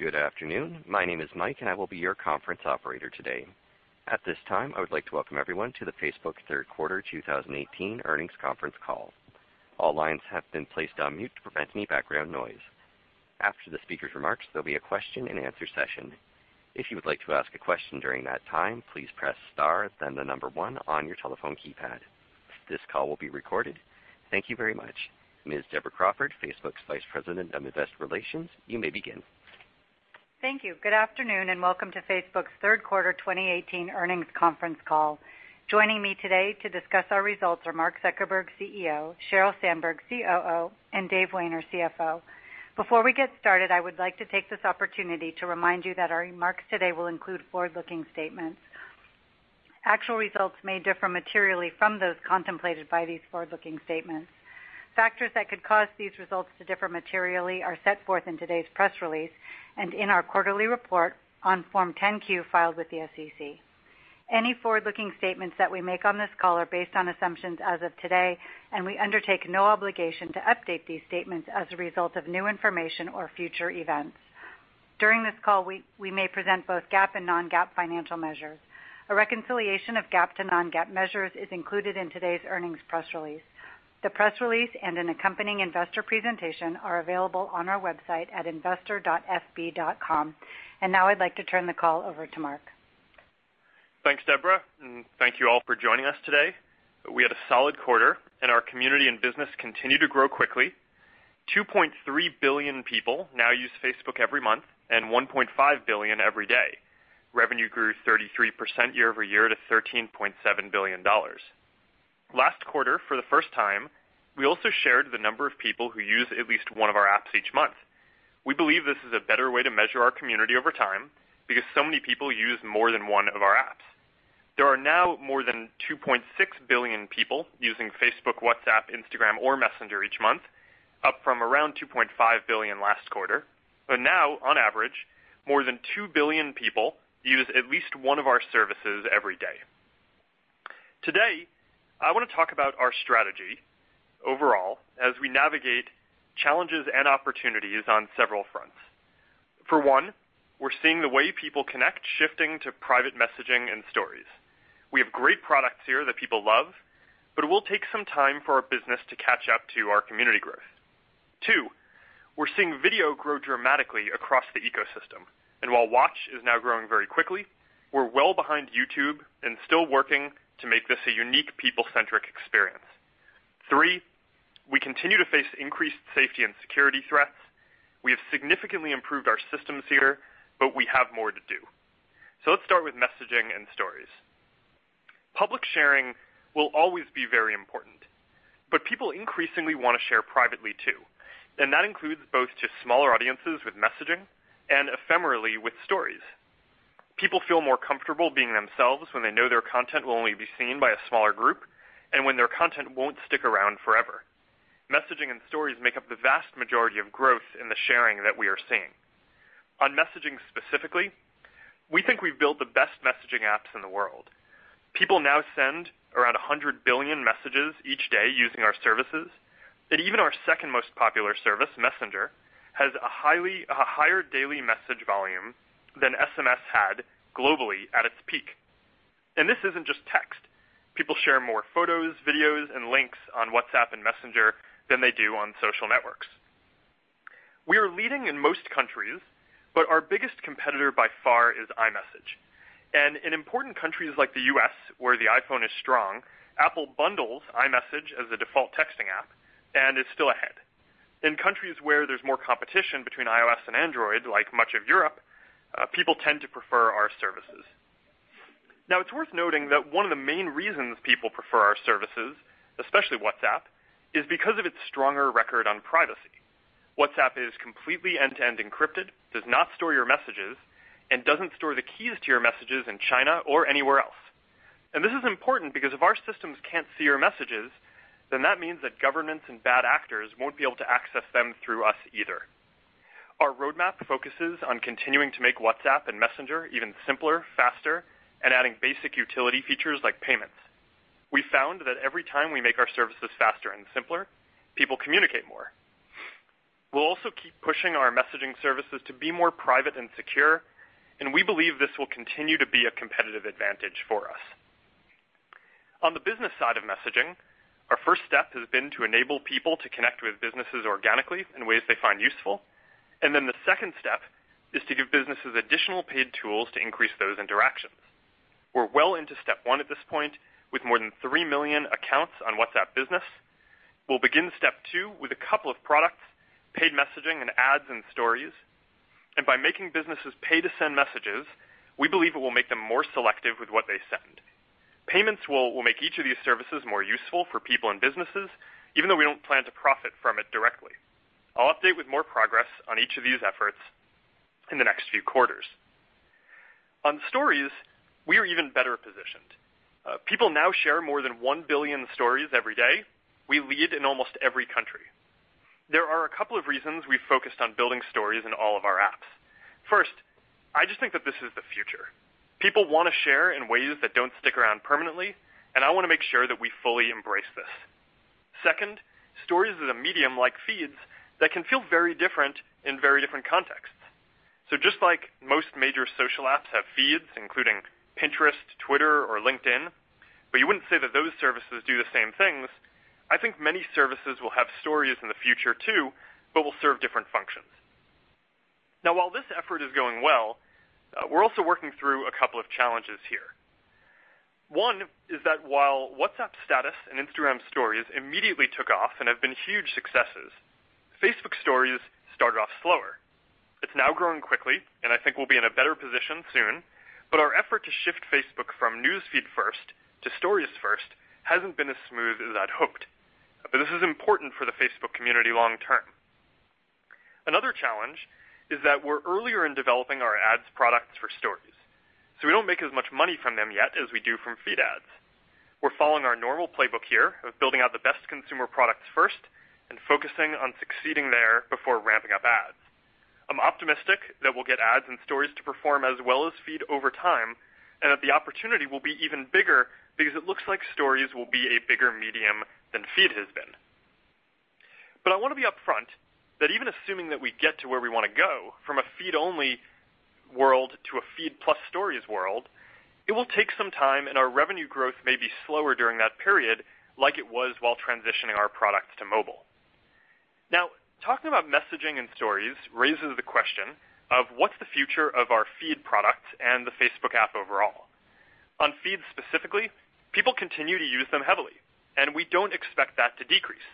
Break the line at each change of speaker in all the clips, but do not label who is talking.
Good afternoon. My name is Mike, and I will be your Conference Operator today. At this time, I would like to welcome everyone to the Facebook Third Quarter 2018 Earnings Conference Call. All lines have been placed on mute to prevent any background noise. After the speakers' remarks, there'll be a question-and-answer session. If you would like to ask a question during that time, please press star then the number one on your telephone keypad. This call will be recorded. Thank you very much. Ms. Deborah Crawford, Facebook's Vice President of Investor Relations, you may begin.
Thank you. Good afternoon, and welcome to Facebook's Third Quarter 2018 Earnings Conference Call. Joining me today to discuss our results are Mark Zuckerberg, CEO; Sheryl Sandberg, COO, and Dave Wehner, CFO. Before we get started, I would like to take this opportunity to remind you that our remarks today will include forward-looking statements. Actual results may differ materially from those contemplated by these forward-looking statements. Factors that could cause these results to differ materially are set forth in today's press release and in our quarterly report on Form 10-Q filed with the SEC. Any forward-looking statements that we make on this call are based on assumptions as of today, and we undertake no obligation to update these statements as a result of new information or future events. During this call, we may present both GAAP and non-GAAP financial measures. A reconciliation of GAAP to non-GAAP measures is included in today's earnings press release. The press release and an accompanying investor presentation are available on our website at investor.fb.com. Now I'd like to turn the call over to Mark.
Thanks, Deborah, and thank you all for joining us today. We had a solid quarter, and our community and business continue to grow quickly. 2.3 billion people now use Facebook every month and 1.5 billion every day. Revenue grew 33% year-over-year to $13.7 billion. Last quarter, for the first time, we also shared the number of people who use at least one of our apps each month. We believe this is a better way to measure our community over time because so many people use more than one of our apps. There are now more than 2.6 billion people using Facebook, WhatsApp, Instagram, or Messenger each month, up from around 2.5 billion last quarter. Now, on average, more than 2 billion people use at least one of our services every day. Today, I wanna talk about our strategy overall as we navigate challenges and opportunities on several fronts. For one, we're seeing the way people connect shifting to private messaging and Stories. We have great products here that people love, it will take some time for our business to catch up to our community growth. Two, we're seeing video grow dramatically across the ecosystem. While Watch is now growing very quickly, we're well behind YouTube and still working to make this a unique people-centric experience. Three, we continue to face increased safety and security threats. We have significantly improved our systems here, we have more to do. Let's start with messaging and Stories. Public sharing will always be very important, people increasingly wanna share privately too, and that includes both to smaller audiences with messaging and ephemerally with Stories. People feel more comfortable being themselves when they know their content will only be seen by a smaller group and when their content won't stick around forever. Messaging and Stories make up the vast majority of growth in the sharing that we are seeing. On messaging specifically, we think we've built the best messaging apps in the world. People now send around 100 billion messages each day using our services, and even our second most popular service, Messenger, has a higher daily message volume than SMS had globally at its peak. This isn't just text. People share more photos, videos, and links on WhatsApp and Messenger than they do on social networks. We are leading in most countries, our biggest competitor by far is iMessage. In important countries like the U.S., where the iPhone is strong, Apple bundles iMessage as the default texting app and is still ahead. In countries where there's more competition between iOS and Android, like much of Europe, people tend to prefer our services. It's worth noting that one of the main reasons people prefer our services, especially WhatsApp, is because of its stronger record on privacy. WhatsApp is completely end-to-end encrypted, does not store your messages, and doesn't store the keys to your messages in China or anywhere else. This is important because if our systems can't see your messages, that means that governments and bad actors won't be able to access them through us either. Our roadmap focuses on continuing to make WhatsApp and Messenger even simpler, faster, and adding basic utility features like payments. We found that every time we make our services faster and simpler, people communicate more. We'll also keep pushing our messaging services to be more private and secure, and we believe this will continue to be a competitive advantage for us. On the business side of messaging, our first step has been to enable people to connect with businesses organically in ways they find useful. Then the second step is to give businesses additional paid tools to increase those interactions. We're well into step one at this point, with more than 3 million accounts on WhatsApp Business. We'll begin step two with a couple of products, paid messaging and ads in Stories. By making businesses pay to send messages, we believe it will make them more selective with what they send. Payments will make each of these services more useful for people and businesses, even though we don't plan to profit from it directly. I'll update with more progress on each of these efforts in the next few quarters. On Stories, we are even better positioned. People now share more than 1 billion Stories every day. We lead in almost every country. There are a couple of reasons we focused on building Stories in all of our apps. First, people want to share in ways that don't stick around permanently, and I want to make sure that we fully embrace this. Second, Stories is a medium like Feed that can feel very different in very different contexts. Just like most major social apps have feeds, including Pinterest, Twitter, or LinkedIn, but you wouldn't say that those services do the same things, I think many services will have Stories in the future too, but will serve different functions. While this effort is going well, we're also working through a couple of challenges here. One is that while WhatsApp Status and Instagram Stories immediately took off and have been huge successes, Facebook Stories started off slower. It's now growing quickly, and I think we'll be in a better position soon. Our effort to shift Facebook from News Feed first to Stories first hasn't been as smooth as I'd hoped. This is important for the Facebook community long term. Another challenge is that we're earlier in developing our ads products for Stories, so we don't make as much money from them yet as we do from Feed ads. We're following our normal playbook here of building out the best consumer products first and focusing on succeeding there before ramping up ads. I'm optimistic that we'll get ads and Stories to perform as well as Feed over time, and that the opportunity will be even bigger because it looks like Stories will be a bigger medium than Feed has been. I want to be upfront that even assuming that we get to where we want to go from a Feed-only world to a Feed plus Stories world, it will take some time, and our revenue growth may be slower during that period like it was while transitioning our products to mobile. Talking about Messaging and Stories raises the question of what's the future of our Feed products and the Facebook app overall? On Feeds specifically, people continue to use them heavily, and we don't expect that to decrease.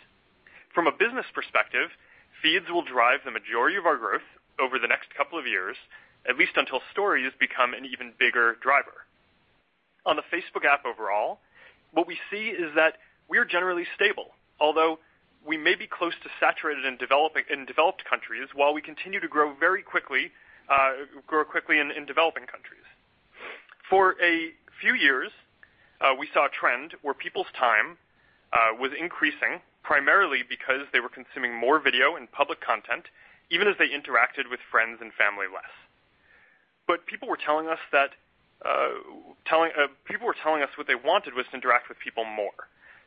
From a business perspective, Feeds will drive the majority of our growth over the next couple of years, at least until Stories become an even bigger driver. On the Facebook app overall, what we see is that we're generally stable, although we may be close to saturated in developed countries while we continue to grow very quickly in developing countries. For a few years, we saw a trend where people's time was increasing primarily because they were consuming more video and public content even as they interacted with friends and family less. People were telling us what they wanted was to interact with people more,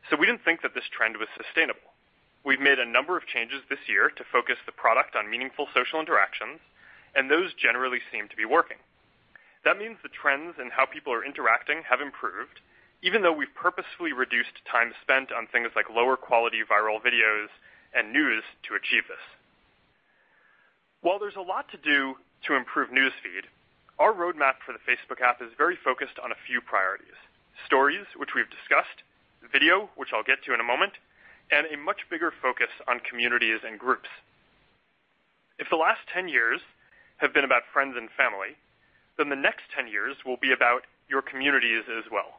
so we didn't think that this trend was sustainable. We've made a number of changes this year to focus the product on meaningful social interactions. Those generally seem to be working. That means the trends in how people are interacting have improved, even though we've purposefully reduced time spent on things like lower quality viral videos and news to achieve this. While there's a lot to do to improve News Feed, our roadmap for the Facebook app is very focused on a few priorities: Stories, which we've discussed, video, which I'll get to in a moment, and a much bigger focus on communities and groups. If the last 10 years have been about friends and family, the next 10 years will be about your communities as well.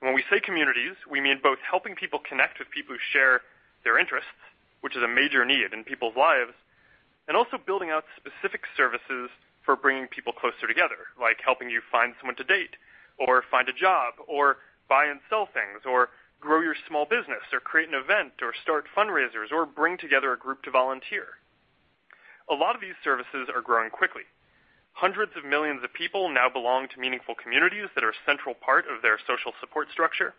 When we say communities, we mean both helping people connect with people who share their interests, which is a major need in people's lives, and also building out specific services for bringing people closer together, like helping you find someone to date or find a job or buy and sell things or grow your small business or create an event or start fundraisers or bring together a group to volunteer. A lot of these services are growing quickly. Hundreds of millions of people now belong to meaningful communities that are a central part of their social support structure.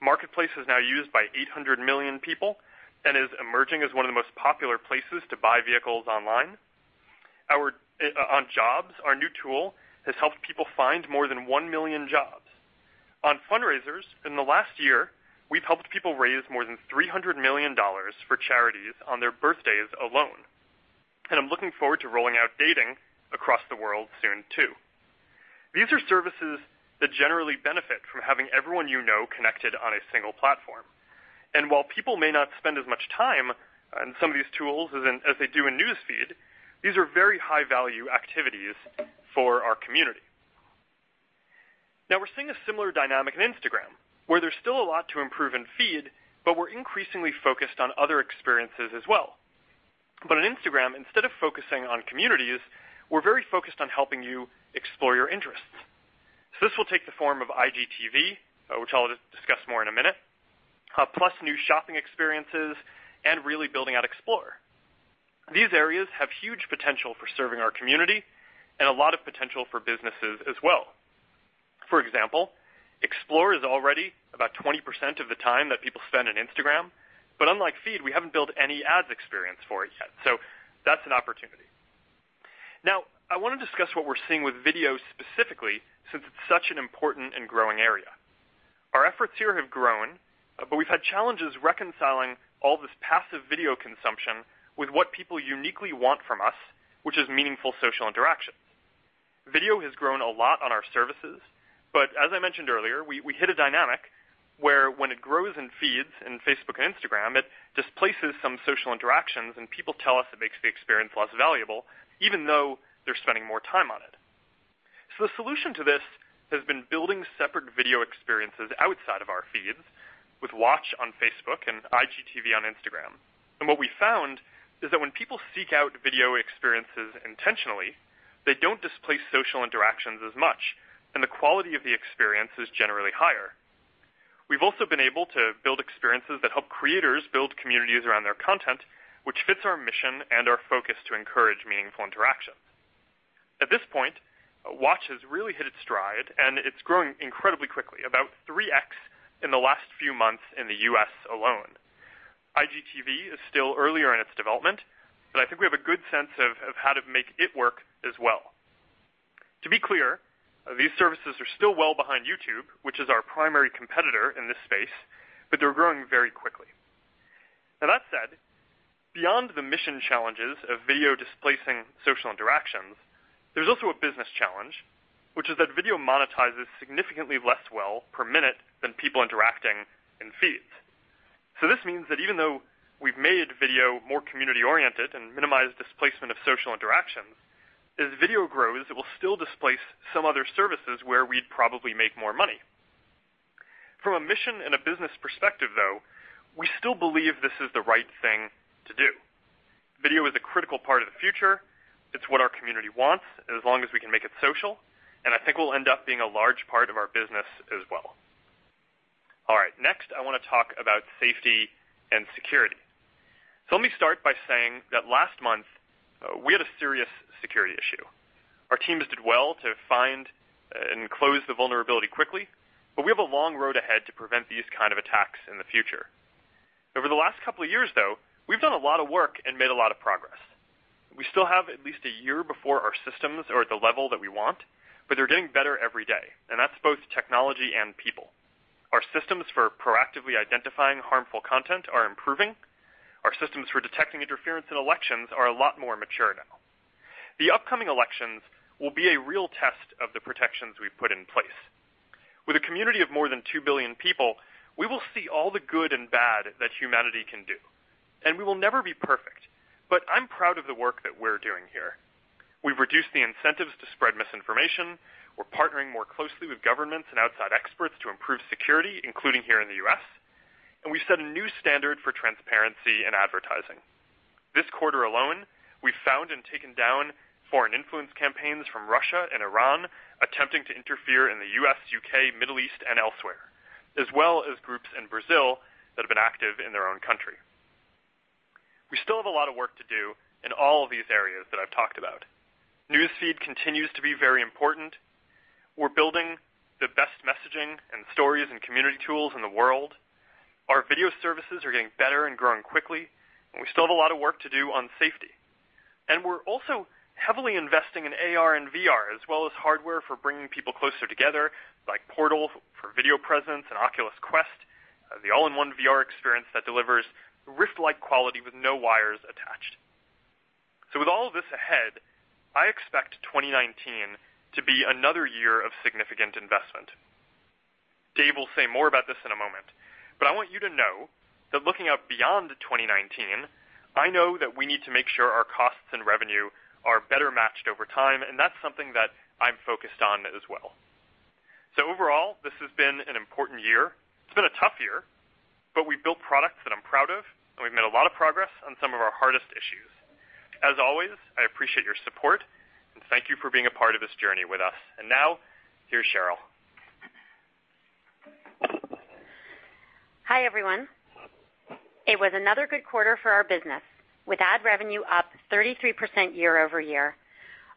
Marketplace is now used by 800 million people and is emerging as one of the most popular places to buy vehicles online. On Jobs, our new tool has helped people find more than 1 million jobs. On Fundraisers, in the last year, we've helped people raise more than $300 million for charities on their birthdays alone. I'm looking forward to rolling out Dating across the world soon too. These are services that generally benefit from having everyone you know connected on a single platform. While people may not spend as much time on some of these tools as they do in News Feed, these are very high-value activities for our community. Now, we're seeing a similar dynamic in Instagram, where there's still a lot to improve in Feed, but we're increasingly focused on other experiences as well. In Instagram, instead of focusing on communities, we're very focused on helping you explore your interests. This will take the form of IGTV, which I'll discuss more in 1 minute, plus new shopping experiences and really building out Explore. These areas have huge potential for serving our community and a lot of potential for businesses as well. For example, Explore is already about 20% of the time that people spend on Instagram, but unlike Feed, we haven't built any ads experience for it yet, so that's an opportunity. I want to discuss what we're seeing with video specifically, since it's such an important and growing area. Our efforts here have grown, but we've had challenges reconciling all this passive video consumption with what people uniquely want from us, which is meaningful social interactions. Video has grown a lot on our services, but as I mentioned earlier, we hit a dynamic where when it grows in Feeds in Facebook and Instagram, it displaces some social interactions, and people tell us it makes the experience less valuable, even though they're spending more time on it. The solution to this has been building separate video experiences outside of our Feeds with Watch on Facebook and IGTV on Instagram. What we found is that when people seek out video experiences intentionally, they don't displace social interactions as much, and the quality of the experience is generally higher. We've also been able to build experiences that help creators build communities around their content, which fits our mission and our focus to encourage meaningful interaction. At this point, Watch has really hit its stride, and it's growing incredibly quickly, about 3x in the last few months in the U.S. alone. IGTV is still earlier in its development, but I think we have a good sense of how to make it work as well. To be clear, these services are still well behind YouTube, which is our primary competitor in this space, but they're growing very quickly. That said, beyond the mission challenges of video displacing social interactions, there's also a business challenge, which is that video monetizes significantly less well per minute than people interacting in Feeds. This means that even though we've made video more community-oriented and minimized displacement of social interactions, as video grows, it will still displace some other services where we'd probably make more money. From a mission and a business perspective, though, we still believe this is the right thing to do. Video is a critical part of the future. It's what our community wants as long as we can make it social, and I think will end up being a large part of our business as well. All right, next, I wanna talk about safety and security. Let me start by saying that last month, we had a serious security issue. Our teams did well to find and close the vulnerability quickly, but we have a long road ahead to prevent these kind of attacks in the future. Over the last couple of years, though, we've done a lot of work and made a lot of progress. We still have at least a year before our systems are at the level that we want, but they're getting better every day, and that's both technology and people. Our systems for proactively identifying harmful content are improving. Our systems for detecting interference in elections are a lot more mature now. The upcoming elections will be a real test of the protections we've put in place. With a community of more than 2 billion people, we will see all the good and bad that humanity can do, and we will never be perfect, but I'm proud of the work that we're doing here. We've reduced the incentives to spread misinformation. We're partnering more closely with governments and outside experts to improve security, including here in the U.S., and we set a new standard for transparency in advertising. This quarter alone, we found and taken down foreign influence campaigns from Russia and Iran attempting to interfere in the U.S., U.K., Middle East, and elsewhere, as well as groups in Brazil that have been active in their own country. We still have a lot of work to do in all of these areas that I've talked about. News Feed continues to be very important. We're building the best messaging and Stories and community tools in the world. Our video services are getting better and growing quickly. We still have a lot of work to do on safety. We're also heavily investing in AR and VR, as well as hardware for bringing people closer together, like Portal for video presence and Oculus Quest, the all-in-one VR experience that delivers Rift-like quality with no wires attached. With all of this ahead, I expect 2019 to be another year of significant investment. Dave will say more about this in a moment, but I want you to know that looking out beyond 2019, I know that we need to make sure our costs and revenue are better matched over time, and that's something that I'm focused on as well. Overall, this has been an important year. It's been a tough year, but we've built products that I'm proud of, and we've made a lot of progress on some of our hardest issues. As always, I appreciate your support, and thank you for being a part of this journey with us. Now, here's Sheryl.
Hi, everyone. It was another good quarter for our business. With ad revenue up 33% year-over-year,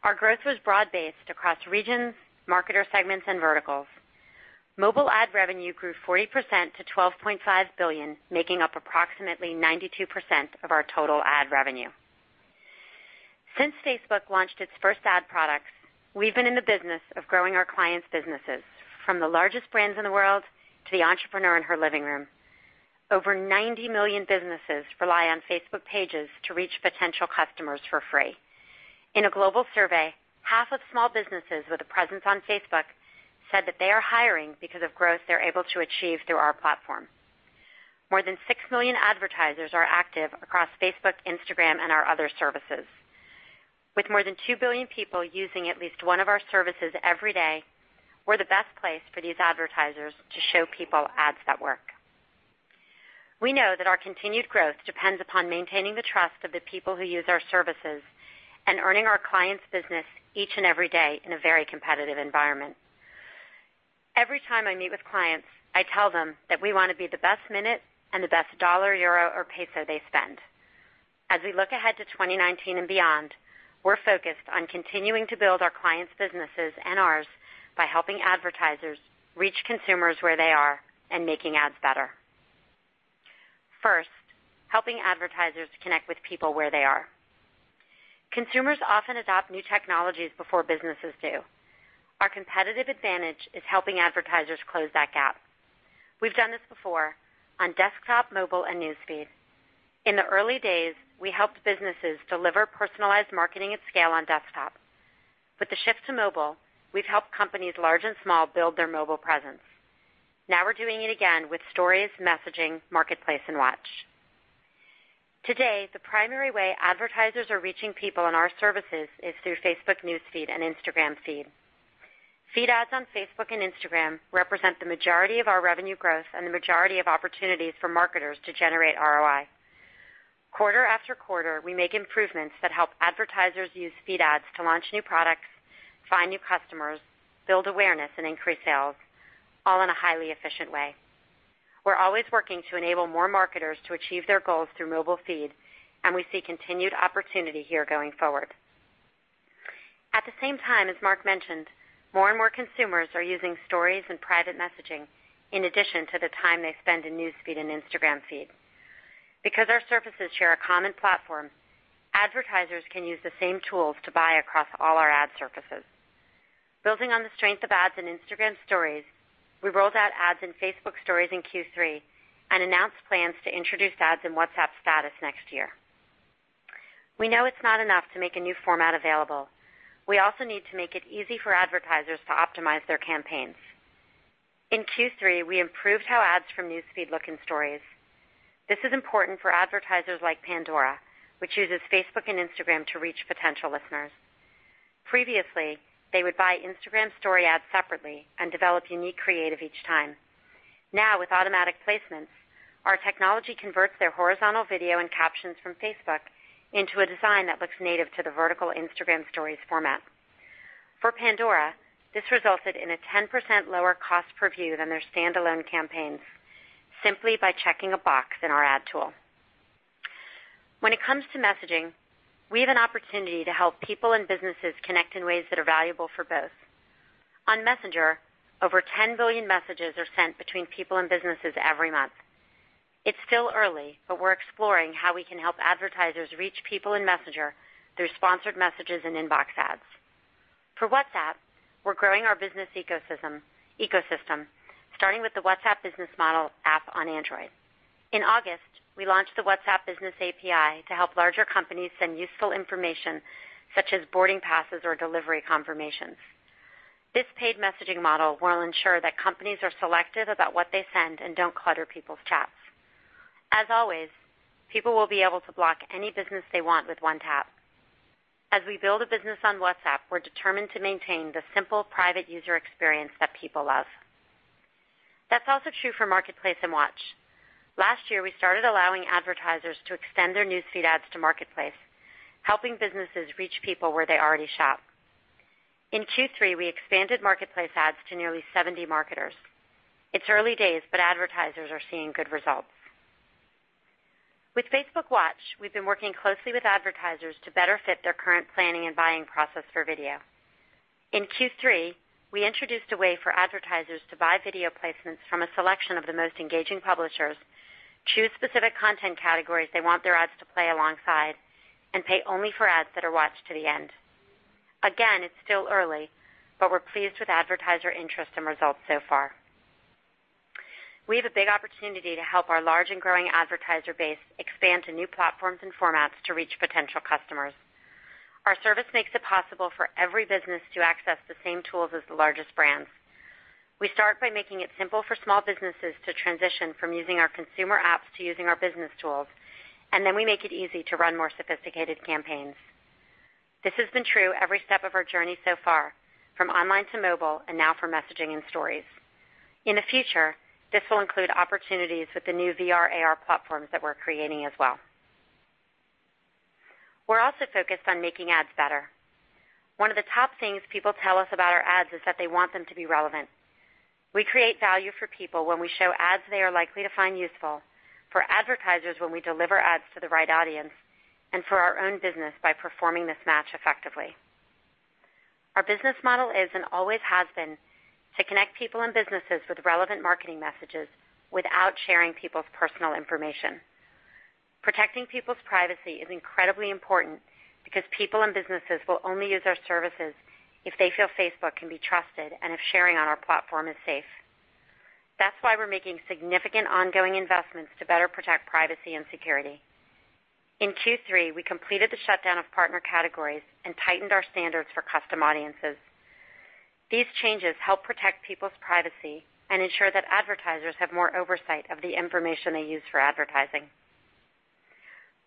our growth was broad-based across regions, marketer segments, and verticals. Mobile ad revenue grew 40% to $12.5 billion, making up approximately 92% of our total ad revenue. Since Facebook launched its first ad products, we've been in the business of growing our clients' businesses from the largest brands in the world to the entrepreneur in her living room. Over 90 million businesses rely on Facebook Pages to reach potential customers for free. In a global survey, half of small businesses with a presence on Facebook said that they are hiring because of growth they're able to achieve through our platform. More than 6 million advertisers are active across Facebook, Instagram, and our other services. With more than 2 billion people using at least one of our services every day, we're the best place for these advertisers to show people ads that work. We know that our continued growth depends upon maintaining the trust of the people who use our services and earning our clients' business each and every day in a very competitive environment. Every time I meet with clients, I tell them that we wanna be the best minute and the best dollar, euro, or peso they spend. As we look ahead to 2019 and beyond, we're focused on continuing to build our clients' businesses and ours by helping advertisers reach consumers where they are and making ads better. First, helping advertisers to connect with people where they are. Consumers often adopt new technologies before businesses do. Our competitive advantage is helping advertisers close that gap. We've done this before on desktop, mobile, and news Feed. In the early days, we helped businesses deliver personalized marketing at scale on desktop. With the shift to mobile, we've helped companies large and small build their mobile presence. Now we're doing it again with Stories, Messaging, Marketplace, and Watch. Today, the primary way advertisers are reaching people on our services is through Facebook News Feed and Instagram Feed. Feed ads on Facebook and Instagram represent the majority of our revenue growth and the majority of opportunities for marketers to generate ROI. Quarter after quarter, we make improvements that help advertisers use Feed ads to launch new products, find new customers, build awareness, and increase sales, all in a highly efficient way. We're always working to enable more marketers to achieve their goals through mobile feed, and we see continued opportunity here going forward. At the same time, as Mark mentioned, more and more consumers are using Stories and private messaging in addition to the time they spend in News Feed and Instagram Feed. Because our services share a common platform, advertisers can use the same tools to buy across all our ad services. Building on the strength of ads in Instagram Stories, we rolled out ads in Facebook Stories in Q3 and announced plans to introduce ads in WhatsApp Status next year. We know it is not enough to make a new format available. We also need to make it easy for advertisers to optimize their campaigns. In Q3, we improved how ads from News Feed look in Stories. This is important for advertisers like Pandora, which uses Facebook and Instagram to reach potential listeners. Previously, they would buy Instagram Story ads separately and develop unique creative each time. Now, with automatic placements, our technology converts their horizontal video and captions from Facebook into a design that looks native to the vertical Instagram Stories format. For Pandora, this resulted in a 10% lower cost per view than their standalone campaigns simply by checking a box in our ad tool. When it comes to messaging, we have an opportunity to help people and businesses connect in ways that are valuable for both. On Messenger, over 10 billion messages are sent between people and businesses every month. It's still early, but we're exploring how we can help advertisers reach people in Messenger through sponsored messages and inbox ads. For WhatsApp, we're growing our business ecosystem, starting with the WhatsApp Business mobile app on Android. In August, we launched the WhatsApp Business API to help larger companies send useful information such as boarding passes or delivery confirmations. This paid messaging model will ensure that companies are selective about what they send and don't clutter people's chats. As always, people will be able to block any business they want with one tap. As we build a business on WhatsApp, we're determined to maintain the simple private user experience that people love. That's also true for Marketplace and Watch. Last year, we started allowing advertisers to extend their News Feed ads to Marketplace, helping businesses reach people where they already shop. In Q3, we expanded Marketplace ads to nearly 70 marketers. It's early days, but advertisers are seeing good results. With Facebook Watch, we've been working closely with advertisers to better fit their current planning and buying process for video. In Q3, we introduced a way for advertisers to buy video placements from a selection of the most engaging publishers, choose specific content categories they want their ads to play alongside, and pay only for ads that are watched to the end. Again, it's still early, but we're pleased with advertiser interest and results so far. We have a big opportunity to help our large and growing advertiser base expand to new platforms and formats to reach potential customers. Our service makes it possible for every business to access the same tools as the largest brands. We start by making it simple for small businesses to transition from using our consumer apps to using our business tools, and then we make it easy to run more sophisticated campaigns. This has been true every step of our journey so far, from online to mobile and now for messaging and Stories. In the future, this will include opportunities with the new VR/AR platforms that we're creating as well. We're also focused on making ads better. One of the top things people tell us about our ads is that they want them to be relevant. We create value for people when we show ads they are likely to find useful, for advertisers when we deliver ads to the right audience, and for our own business by performing this match effectively. Our business model is and always has been to connect people and businesses with relevant marketing messages without sharing people's personal information. Protecting people's privacy is incredibly important because people and businesses will only use our services if they feel Facebook can be trusted and if sharing on our platform is safe. That's why we're making significant ongoing investments to better protect privacy and security. In Q3, we completed the shutdown of Partner Categories and tightened our standards for Custom Audiences. These changes help protect people's privacy and ensure that advertisers have more oversight of the information they use for advertising.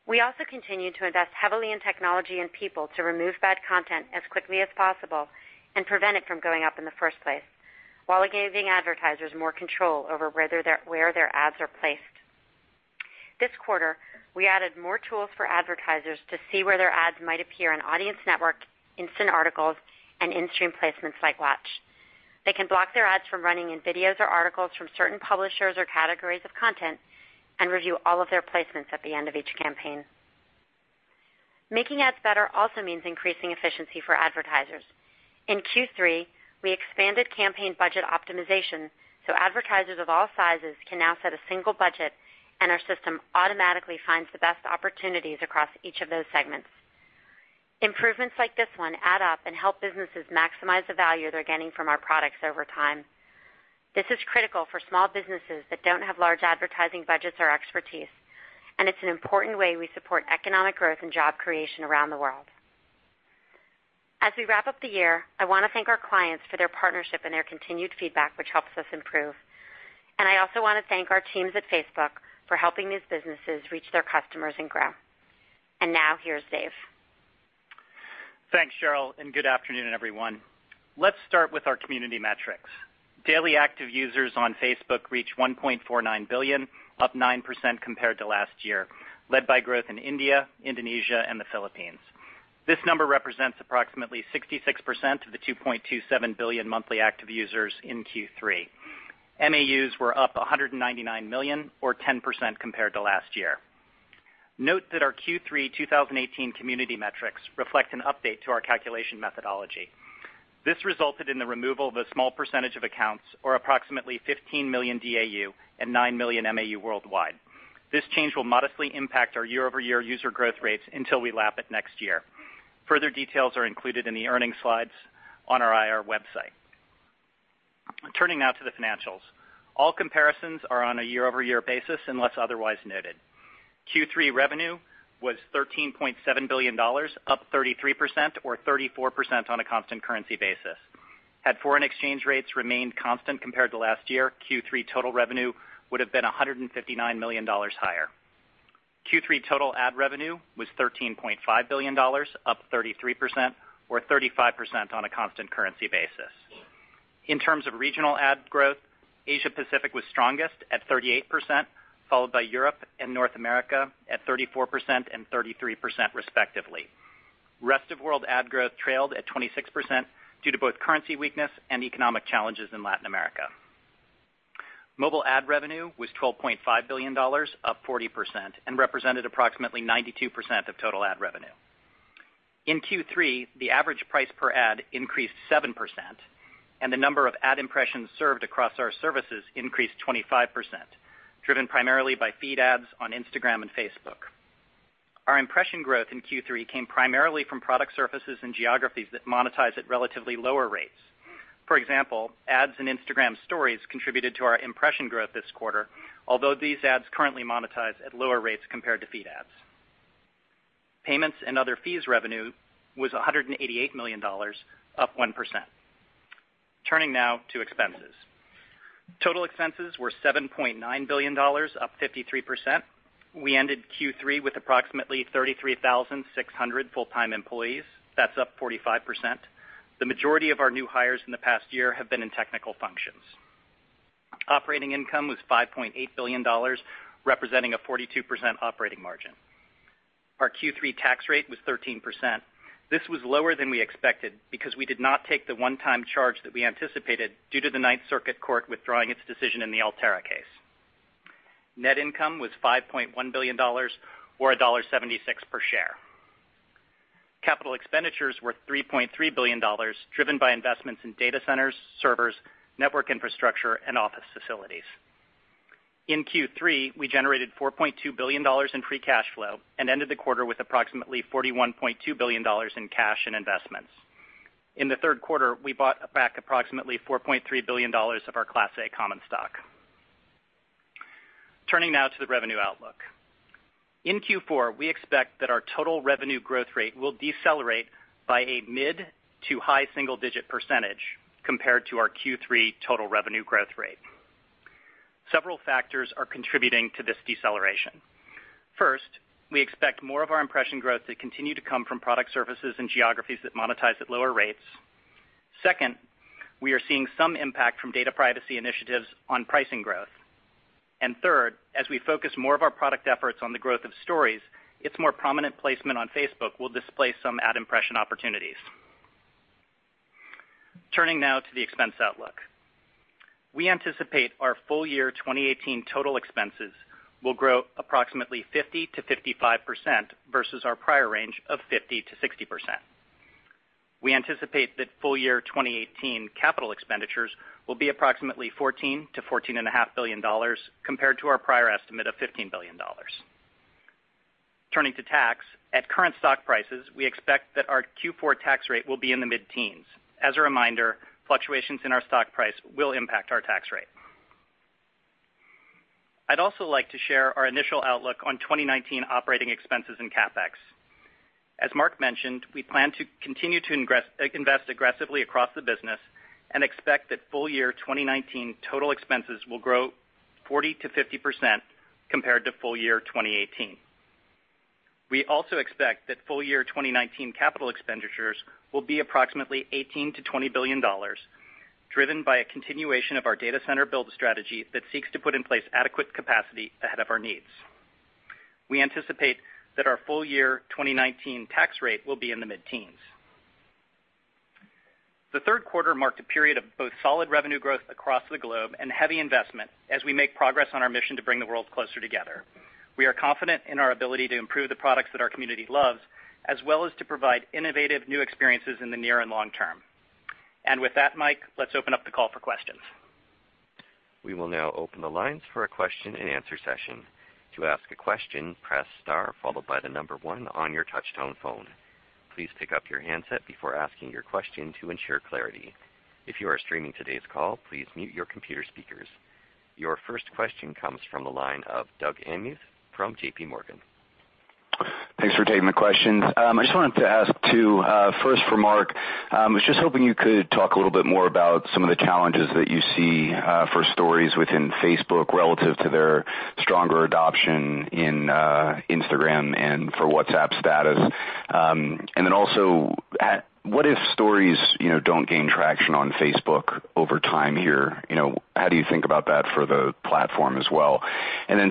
We also continue to invest heavily in technology and people to remove bad content as quickly as possible and prevent it from going up in the first place while giving advertisers more control over where their ads are placed. This quarter, we added more tools for advertisers to see where their ads might appear in Audience Network, Instant Articles, and in-stream placements like Watch. They can block their ads from running in videos or articles from certain publishers or categories of content and review all of their placements at the end of each campaign. Making ads better also means increasing efficiency for advertisers. In Q3, we expanded Campaign Budget Optimization so advertisers of all sizes can now set a single budget, and our system automatically finds the best opportunities across each of those segments. Improvements like this one add up and help businesses maximize the value they're getting from our products over time. This is critical for small businesses that don't have large advertising budgets or expertise, and it's an important way we support economic growth and job creation around the world. As we wrap up the year, I wanna thank our clients for their partnership and their continued feedback, which helps us improve. I also wanna thank our teams at Facebook for helping these businesses reach their customers and grow. Now here's Dave.
Thanks, Sheryl, and good afternoon, everyone. Let's start with our community metrics. Daily active users on Facebook reach 1.49 billion, up 9% compared to last year, led by growth in India, Indonesia, and the Philippines. This number represents approximately 66% of the 2.27 billion monthly active users in Q3. MAUs were up 199 million or 10% compared to last year. Note that our Q3 2018 community metrics reflect an update to our calculation methodology. This resulted in the removal of a small percentage of accounts or approximately 15 million DAU and 9 million MAU worldwide. This change will modestly impact our year-over-year user growth rates until we lap it next year. Further details are included in the earning slides on our IR website. Turning now to the financials. All comparisons are on a year-over-year basis, unless otherwise noted. Q3 revenue was $13.7 billion, up 33% or 34% on a constant currency basis. Had foreign exchange rates remained constant compared to last year, Q3 total revenue would have been $159 million higher. Q3 total ad revenue was $13.5 billion, up 33% or 35% on a constant currency basis. In terms of regional ad growth, Asia Pacific was strongest at 38%, followed by Europe and North America at 34% and 33% respectively. Rest of world ad growth trailed at 26% due to both currency weakness and economic challenges in Latin America. Mobile ad revenue was $12.5 billion, up 40%, and represented approximately 92% of total ad revenue. In Q3, the average price per ad increased 7% and the number of ad impressions served across our services increased 25%, driven primarily by Feed ads on Instagram and Facebook. Our impression growth in Q3 came primarily from product surfaces and geographies that monetize at relatively lower rates. For example, ads in Instagram Stories contributed to our impression growth this quarter, although these ads currently monetize at lower rates compared to Feed ads. Payments and other fees revenue was $188 million, up 1%. Turning now to expenses. Total expenses were $7.9 billion, up 53%. We ended Q3 with approximately 33,600 full-time employees. That's up 45%. The majority of our new hires in the past year have been in technical functions. Operating income was $5.8 billion, representing a 42% operating margin. Our Q3 tax rate was 13%. This was lower than we expected because we did not take the one-time charge that we anticipated due to the Ninth Circuit Court withdrawing its decision in the Altera case. Net income was $5.1 billion or $1.76 per share. Capital expenditures were $3.3 billion, driven by investments in data centers, servers, network infrastructure, and office facilities. In Q3, we generated $4.2 billion in free cash flow and ended the quarter with approximately $41.2 billion in cash and investments. In the third quarter, we bought back approximately $4.3 billion of our Class A common stock. Turning now to the revenue outlook. In Q4, we expect that our total revenue growth rate will decelerate by a mid to high single-digit percentage compared to our Q3 total revenue growth rate. Several factors are contributing to this deceleration. First, we expect more of our impression growth to continue to come from product services and geographies that monetize at lower rates. Second, we are seeing some impact from data privacy initiatives on pricing growth. Third, as we focus more of our product efforts on the growth of Stories, its more prominent placement on Facebook will displace some ad impression opportunities. Turning now to the expense outlook. We anticipate our full year 2018 total expenses will grow approximately 50%-55% versus our prior range of 50%-60%. We anticipate that full year 2018 capital expenditures will be approximately $14 billion-$14.5 billion compared to our prior estimate of $15 billion. Turning to tax. At current stock prices, we expect that our Q4 tax rate will be in the mid-teens. As a reminder, fluctuations in our stock price will impact our tax rate. I'd also like to share our initial outlook on 2019 operating expenses in CapEx. As Mark mentioned, we plan to continue to invest aggressively across the business and expect that full year 2019 total expenses will grow 40%-50% compared to full year 2018. We also expect that full year 2019 capital expenditures will be approximately $18 billion-$20 billion, driven by a continuation of our data center build strategy that seeks to put in place adequate capacity ahead of our needs. We anticipate that our full year 2019 tax rate will be in the mid-teens. The third quarter marked a period of both solid revenue growth across the globe and heavy investment as we make progress on our mission to bring the world closer together. We are confident in our ability to improve the products that our community loves, as well as to provide innovative new experiences in the near and long term. With that, Mike, let's open up the call for questions.
We will now open the lines for a question and answer session. Your first question comes from the line of Doug Anmuth from JPMorgan.
Thanks for taking the questions. I just wanted to ask two. First for Mark, was just hoping you could talk a little bit more about some of the challenges that you see for Stories within Facebook relative to their stronger adoption in Instagram and for WhatsApp Status. Also what if Stories, you know, don't gain traction on Facebook over time here? You know, how do you think about that for the platform as well?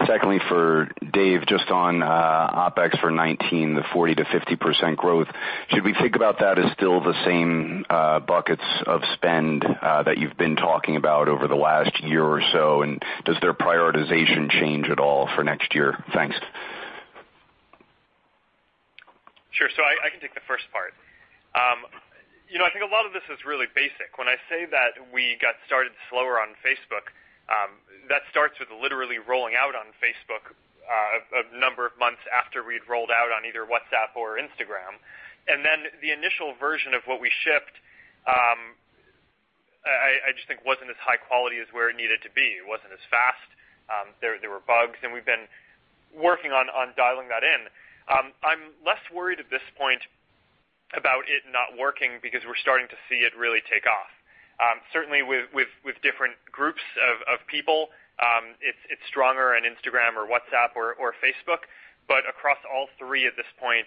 Secondly, for Dave, just on OpEx for 2019, the 40%-50% growth, should we think about that as still the same buckets of spend that you've been talking about over the last year or so? Does their prioritization change at all for next year? Thanks.
Sure. I can take the first part. You know, I think a lot of this is really basic. When I say that we got started slower on Facebook, that starts with literally rolling out on Facebook, a number of months after we'd rolled out on either WhatsApp or Instagram. The initial version of what we shipped, I just think wasn't as high quality as where it needed to be. It wasn't as fast. There were bugs, and we've been working on dialing that in. I'm less worried at this point about it not working because we're starting to see it really take off. Certainly with different groups of people, it's stronger in Instagram or WhatsApp or Facebook. Across all three at this point,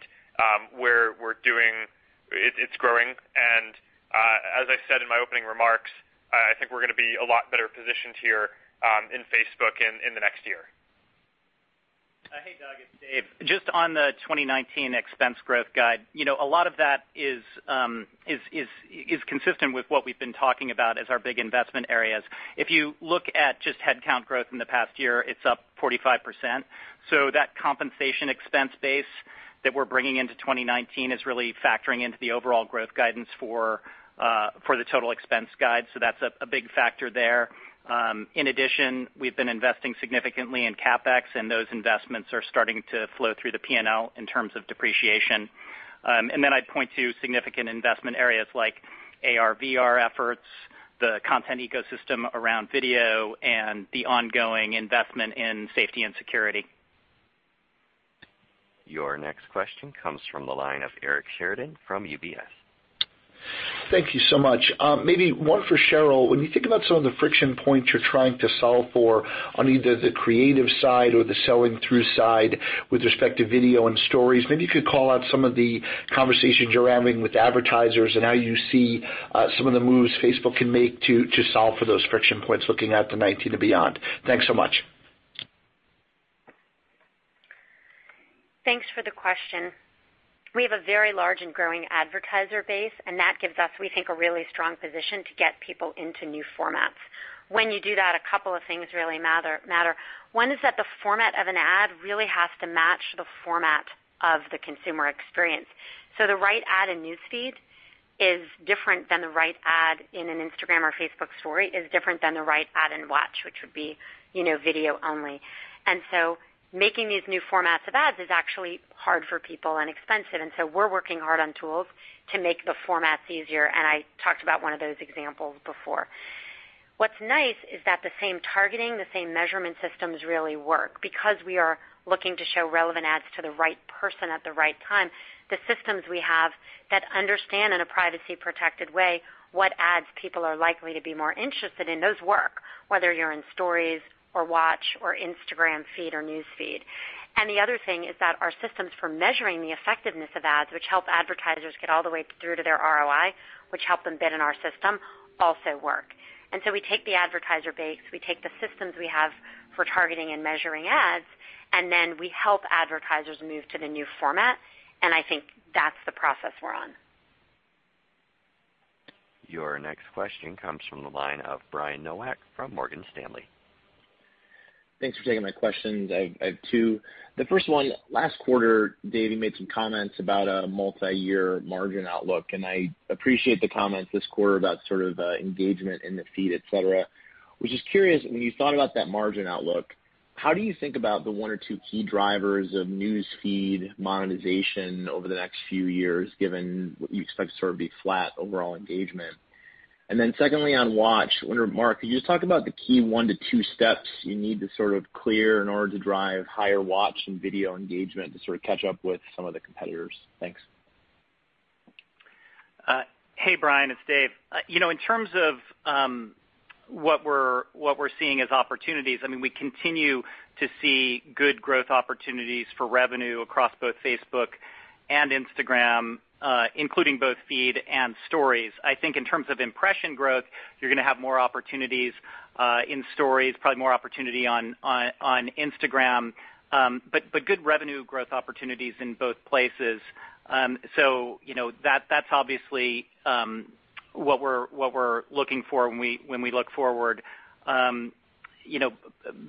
it's growing. As I said in my opening remarks, I think we're gonna be a lot better positioned here in Facebook in the next year.
Hey, Doug, it's Dave. Just on the 2019 expense growth guide, you know, a lot of that is consistent with what we've been talking about as our big investment areas. If you look at just headcount growth in the past year, it's up 45%. That compensation expense base that we're bringing into 2019 is really factoring into the overall growth guidance for the total expense guide. That's a big factor there. In addition, we've been investing significantly in CapEx, and those investments are starting to flow through the P&L in terms of depreciation. Then I'd point to significant investment areas like AR/VR efforts, the content ecosystem around video, and the ongoing investment in safety and security.
Your next question comes from the line of Eric Sheridan from UBS.
Thank you so much. Maybe one for Sheryl. When you think about some of the friction points you're trying to solve for on either the creative side or the selling-through side with respect to video and Stories, maybe you could call out some of the conversations you're having with advertisers and how you see some of the moves Facebook can make to solve for those friction points looking out to 2019 and beyond. Thanks so much.
Thanks for the question. We have a very large and growing advertiser base, and that gives us, we think, a really strong position to get people into new formats. When you do that, a couple of things really matter. One is that the format of an ad really has to match the format of the consumer experience. So the right ad in News Feed is different than the right ad in an Instagram or Facebook Story, is different than the right ad in Watch, which would be, you know, video only. Making these new formats of ads is actually hard for people and expensive, and so we're working hard on tools to make the formats easier, and I talked about one of those examples before. What's nice is that the same targeting, the same measurement systems really work. Because we are looking to show relevant ads to the right person at the right time, the systems we have that understand in a privacy-protected way what ads people are likely to be more interested in, those work, whether you're in Stories or Watch or Instagram Feed or News Feed. The other thing is that our systems for measuring the effectiveness of ads, which help advertisers get all the way through to their ROI, which help them bid in our system, also work. We take the advertiser base, we take the systems we have for targeting and measuring ads, and then we help advertisers move to the new format, and I think that's the process we're on.
Your next question comes from the line of Brian Nowak from Morgan Stanley.
Thanks for taking my questions. I have two. The first one, last quarter, Dave, you made some comments about a multiyear margin outlook, and I appreciate the comments this quarter about sort of engagement in the feed, et cetera. Was just curious, when you thought about that margin outlook, how do you think about the one or two key drivers of News Feed monetization over the next few years, given what you expect to sort of be flat overall engagement? Secondly, on Watch, I wonder, Mark, could you just talk about the key one to two steps you need to sort of clear in order to drive higher Watch and video engagement to sort of catch up with some of the competitors? Thanks.
Hey, Brian, it's Dave. You know, in terms of what we're seeing as opportunities, I mean, we continue to see good growth opportunities for revenue across both Facebook and Instagram, including both Feed and Stories. I think in terms of impression growth, you're gonna have more opportunities in Stories, probably more opportunity on Instagram. Good revenue growth opportunities in both places. You know, that's obviously what we're looking for when we look forward. You know,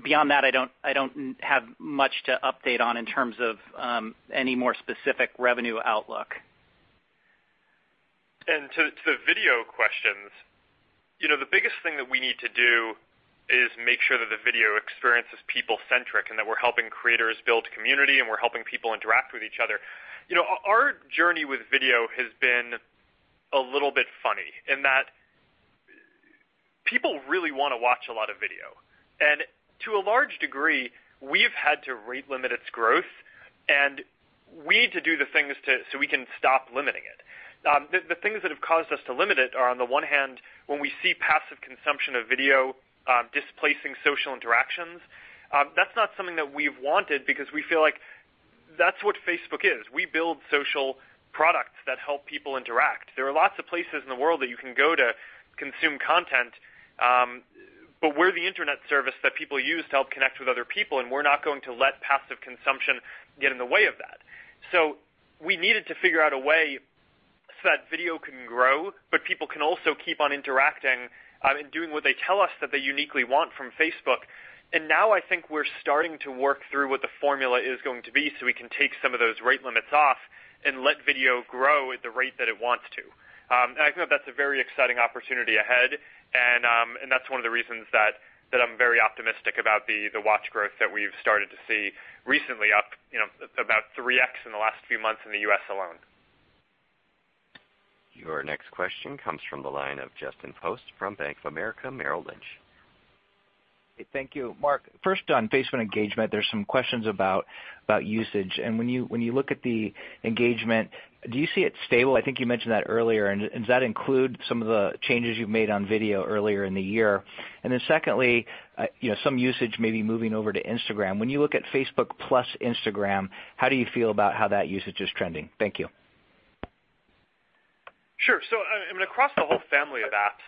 beyond that, I don't have much to update on in terms of any more specific revenue outlook.
To the video questions, you know, the biggest thing that we need to do is make sure that the video experience is people-centric and that we're helping creators build community, and we're helping people interact with each other. You know, our journey with video has been a little bit funny in that. People really wanna watch a lot of video. To a large degree, we've had to rate limit its growth, and we need to do the things so we can stop limiting it. The things that have caused us to limit it are on the one hand, when we see passive consumption of video, displacing social interactions, that's not something that we've wanted because we feel like that's what Facebook is. We build social products that help people interact. There are lots of places in the world that you can go to consume content, but we're the internet service that people use to help connect with other people, and we're not going to let passive consumption get in the way of that. We needed to figure out a way so that video can grow, but people can also keep on interacting, and doing what they tell us that they uniquely want from Facebook. Now I think we're starting to work through what the formula is going to be, so we can take some of those rate limits off and let video grow at the rate that it wants to. I think that's a very exciting opportunity ahead and that's one of the reasons that I'm very optimistic about the Watch growth that we've started to see recently up about 3x in the last few months in the U.S. alone.
Your next question comes from the line of Justin Post from Bank of America Merrill Lynch.
Thank you. Mark, first on Facebook engagement, there's some questions about usage. When you look at the engagement, do you see it stable? I think you mentioned that earlier. Does that include some of the changes you've made on video earlier in the year? Secondly, you know, some usage may be moving over to Instagram. When you look at Facebook plus Instagram, how do you feel about how that usage is trending? Thank you.
Sure. Across the whole family of apps,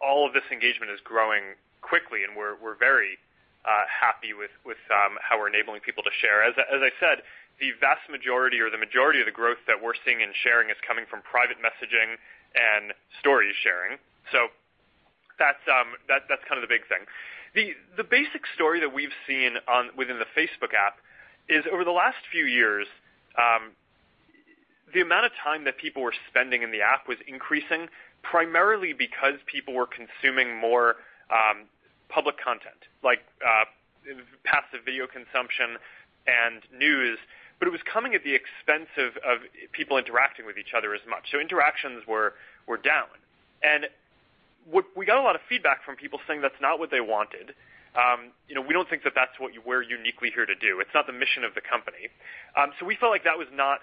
all of this engagement is growing quickly, and we're very happy with how we're enabling people to share. As I said, the vast majority or the majority of the growth that we're seeing in sharing is coming from private messaging and Story sharing. That's kind of the big thing. The basic story that we've seen within the Facebook app is over the last few years, the amount of time that people were spending in the app was increasing primarily because people were consuming more public content like passive video consumption and news, but it was coming at the expense of people interacting with each other as much. Interactions were down. We got a lot of feedback from people saying that's not what they wanted. You know, we don't think that that's what we're uniquely here to do. It's not the mission of the company. We felt like that was not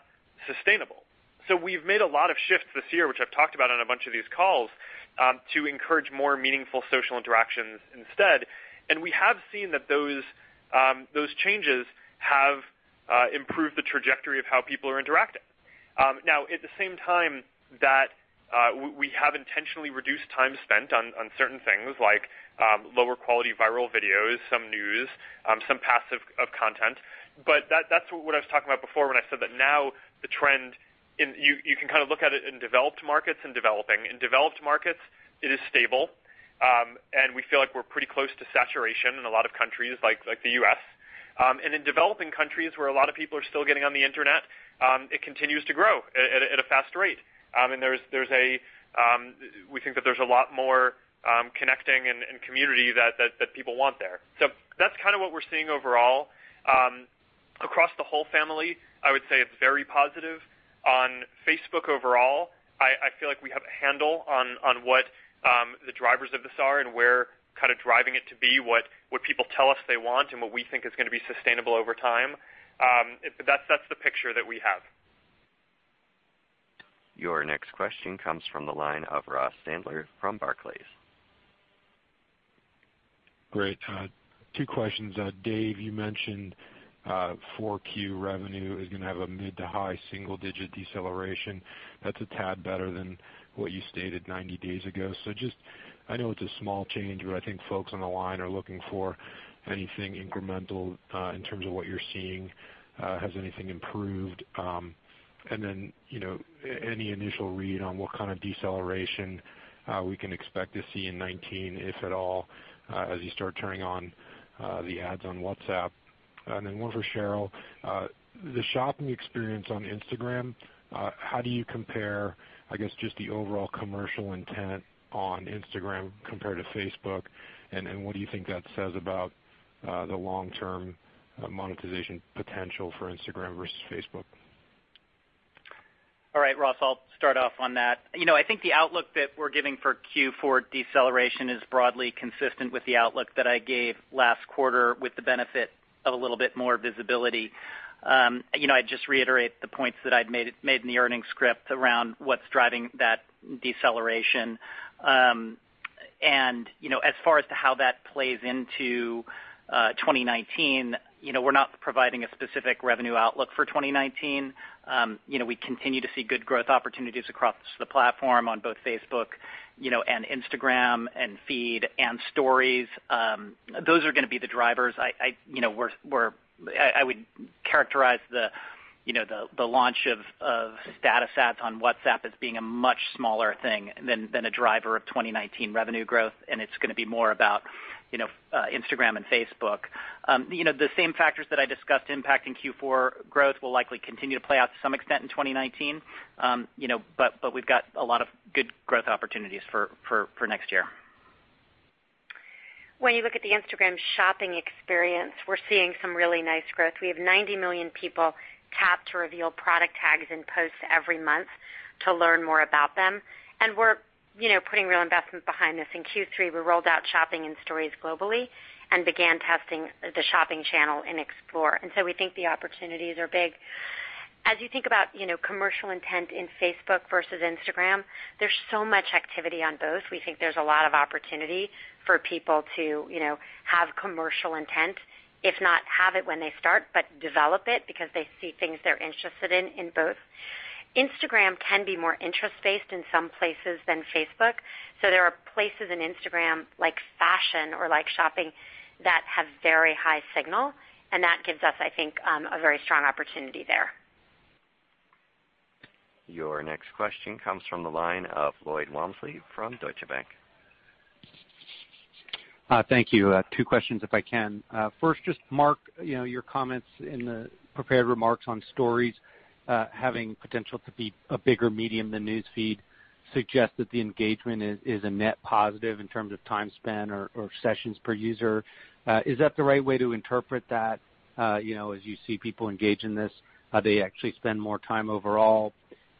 sustainable. We've made a lot of shifts this year, which I've talked about on a bunch of these calls, to encourage more meaningful social interactions instead. We have seen that those changes have improved the trajectory of how people are interacting. Now at the same time that we have intentionally reduced time spent on certain things like lower quality viral videos, some news, some passive content. That's what I was talking about before when I said that now the trend, you can kind of look at it in developed markets and developing. In developed markets, it is stable. We feel like we're pretty close to saturation in a lot of countries like the U.S. In developing countries where a lot of people are still getting on the internet, it continues to grow at a fast rate. We think that there's a lot more connecting and community that people want there. That's kind of what we're seeing overall. Across the whole family, I would say it's very positive. On Facebook overall, I feel like we have a handle on what the drivers of this are and where kind of driving it to be what people tell us they want and what we think is gonna be sustainable over time. That's the picture that we have.
Your next question comes from the line of Ross Sandler from Barclays.
Great. Two questions. Dave, you mentioned Q4 revenue is gonna have a mid-to-high single-digit deceleration. That's a tad better than what you stated 90 days ago. So just I know it's a small change, but I think folks on the line are looking for anything incremental in terms of what you're seeing. Has anything improved? Then, you know, any initial read on what kind of deceleration we can expect to see in 2019, if at all, as you start turning on the ads on WhatsApp? Then one for Sheryl. The shopping experience on Instagram, how do you compare, I guess, just the overall commercial intent on Instagram compared to Facebook? What do you think that says about the long-term monetization potential for Instagram versus Facebook?
All right, Ross, I'll start off on that. You know, I think the outlook that we're giving for Q4 deceleration is broadly consistent with the outlook that I gave last quarter with the benefit of a little bit more visibility. You know, I'd just reiterate the points that I'd made in the earnings script around what's driving that deceleration. You know, as far as to how that plays into 2019, you know, we're not providing a specific revenue outlook for 2019. You know, we continue to see good growth opportunities across the platform on both Facebook, you know, and Instagram and Feed and Stories. Those are gonna be the drivers. I, you know, I would characterize the, you know, the launch of Status ads on WhatsApp as being a much smaller thing than a driver of 2019 revenue growth. It's gonna be more about, you know, Instagram and Facebook. You know, the same factors that I discussed impacting Q4 growth will likely continue to play out to some extent in 2019. You know, we've got a lot of good growth opportunities for next year.
When you look at the Instagram shopping experience, we're seeing some really nice growth. We have 90 million people tapped to reveal product tags and posts every month to learn more about them. We're, you know, putting real investment behind this. In Q3, we rolled out shopping in Stories globally and began testing the shopping channel in Explore. We think the opportunities are big. As you think about, you know, commercial intent in Facebook versus Instagram, there's so much activity on both. We think there's a lot of opportunity for people to, you know, have commercial intent, if not have it when they start, but develop it because they see things they're interested in both. Instagram can be more interest-based in some places than Facebook. There are places in Instagram like fashion or like shopping that have very high signal, and that gives us, I think, a very strong opportunity there.
Your next question comes from the line of Lloyd Walmsley from Deutsche Bank.
Thank you. Two questions, if I can. First, just Mark, you know, your comments in the prepared remarks on Stories, having potential to be a bigger medium than News Feed suggests that the engagement is a net positive in terms of time spent or sessions per user. Is that the right way to interpret that, you know, as you see people engage in this, they actually spend more time overall?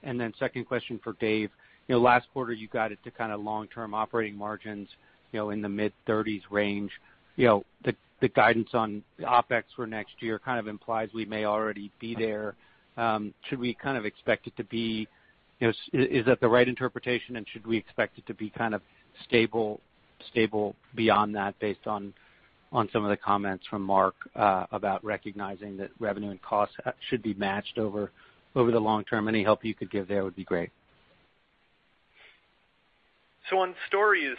Then second question for Dave. You know, last quarter, you guided to kind of long-term operating margins, you know, in the mid-30s range. You know, the guidance on OpEx for next year kind of implies we may already be there. Should we kind of expect it to be, you know, is that the right interpretation, and should we expect it to be kind of stable beyond that based on some of the comments from Mark about recognizing that revenue and costs should be matched over the long term? Any help you could give there would be great.
On Stories,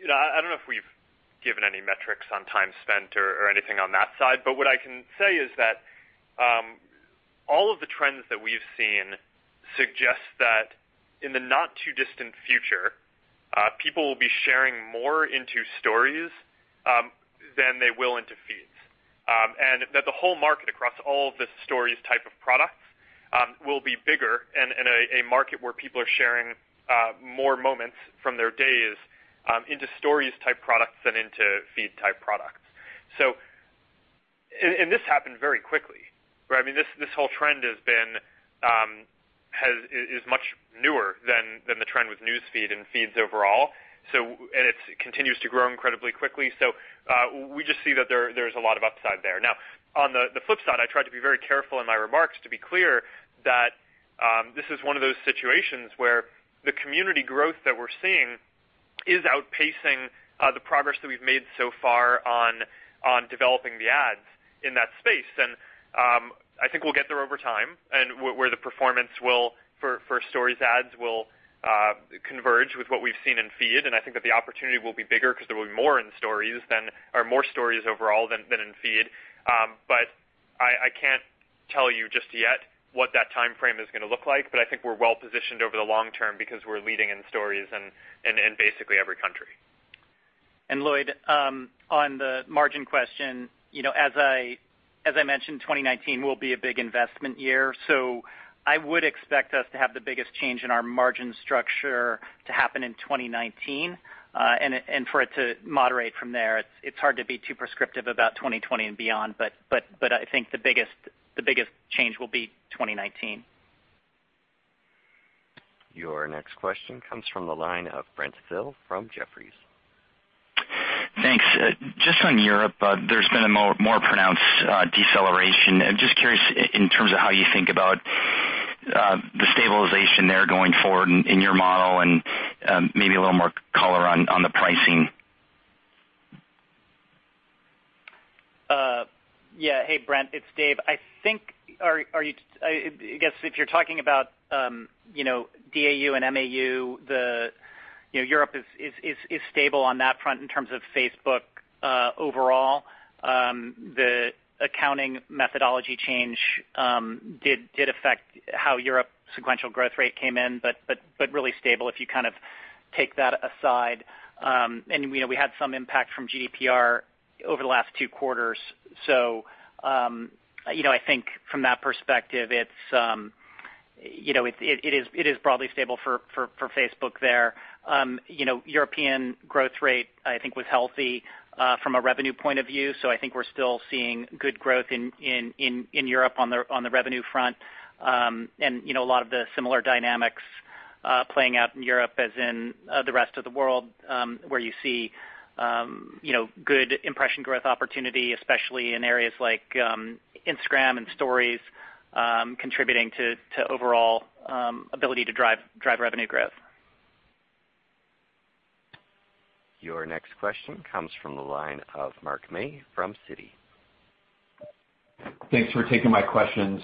you know, I don't know if we've given any metrics on time spent or anything on that side, but what I can say is that all of the trends that we've seen suggest that in the not too distant future, people will be sharing more into Stories than they will into Feeds. That the whole market across all of the Stories type of products will be bigger and a market where people are sharing more moments from their days into Stories type products than into Feed type products. This happened very quickly. Right? This whole trend has been is much newer than the trend with News Feed and Feeds overall. It continues to grow incredibly quickly. We just see that there's a lot of upside there. Now on the flip side I tried to be very careful in my remarks to be clear that this is one of those situations where the community growth that we're seeing is outpacing the progress that we've made so far on developing the ads in that space. I think we'll get there over time and where the performance for Stories ads will converge with what we've seen in Feed. I think that the opportunity will be bigger 'cause there will be more in Stories than or more Stories overall than in Feed. I can't tell you just yet what that timeframe is gonna look like, but I think we're well-positioned over the long term because we're leading in Stories in basically every country.
Lloyd, you know, as I, as I mentioned, 2019 will be a big investment year. I would expect us to have the biggest change in our margin structure to happen in 2019, and for it to moderate from there. It's hard to be too prescriptive about 2020 and beyond, but I think the biggest change will be 2019.
Your next question comes from the line of Brent Thill from Jefferies.
Thanks. Just on Europe, there's been a more pronounced deceleration. I'm just curious in terms of how you think about the stabilization there going forward in your model and maybe a little more color on the pricing?
Yeah. Hey, Brent, it's Dave. I guess if you're talking about, you know, DAU and MAU, you know, Europe is stable on that front in terms of Facebook. Overall, the accounting methodology change did affect how Europe sequential growth rate came in, but really stable if you kind of take that aside. You know, we had some impact from GDPR over the last two quarters. You know, I think from that perspective, it's, you know, it is broadly stable for Facebook there. You know, European growth rate, I think, was healthy from a revenue point of view. I think we're still seeing good growth in Europe on the revenue front. You know, a lot of the similar dynamics playing out in Europe as in the rest of the world, where you see, you know, good impression growth opportunity, especially in areas like Instagram and Stories, contributing to overall ability to drive revenue growth.
Your next question comes from the line of Mark May from Citi.
Thanks for taking my questions.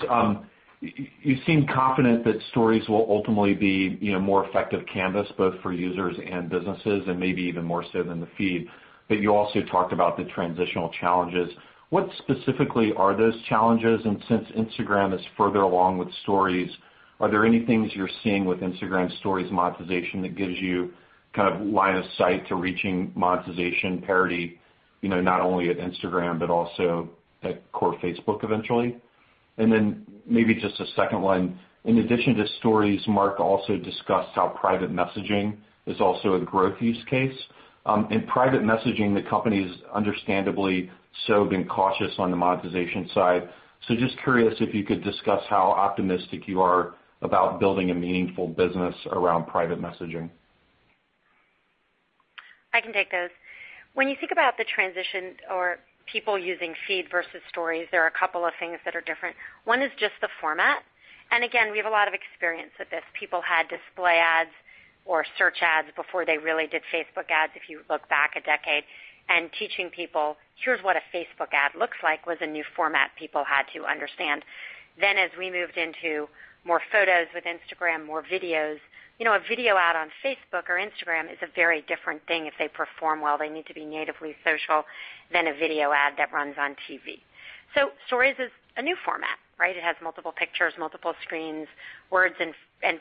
You seem confident that Stories will ultimately be, you know, a more effective canvas both for users and businesses, and maybe even more so than the Feed. You also talked about the transitional challenges. What specifically are those challenges? Since Instagram is further along with Stories, are there any things you're seeing with Instagram Stories monetization that gives you kind of line of sight to reaching monetization parity, you know, not only at Instagram, but also at core Facebook eventually? Maybe just a second one. In addition to Stories, Mark also discussed how private messaging is also a growth use case. In private messaging, the company's understandably so been cautious on the monetization side. Just curious if you could discuss how optimistic you are about building a meaningful business around private messaging.
I can take those. When you think about the transition or people using Feed versus Stories, there are a couple of things that are different. One is just the format. Again, we have a lot of experience with this. People had display ads or search ads before they really did Facebook ads, if you look back a decade, and teaching people, here's what a Facebook ad looks like, was a new format people had to understand. As we moved into more photos with Instagram, more videos, you know, a video ad on Facebook or Instagram is a very different thing if they perform well, they need to be natively social than a video ad that runs on TV. Stories is a new format, right? It has multiple pictures, multiple screens, words and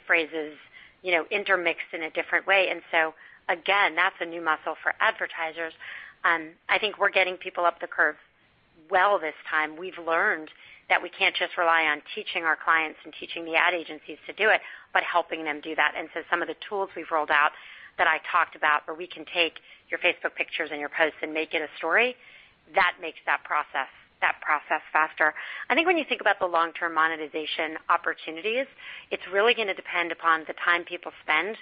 phrases, you know, intermixed in a different way. Again, that's a new muscle for advertisers. I think we're getting people up the curve well this time. We've learned that we can't just rely on teaching our clients and teaching the ad agencies to do it, but helping them do that. Some of the tools we've rolled out that I talked about, where we can take your Facebook pictures and your posts and make it a Story, that makes that process faster. I think when you think about the long-term monetization opportunities, it's really gonna depend upon the time people spend.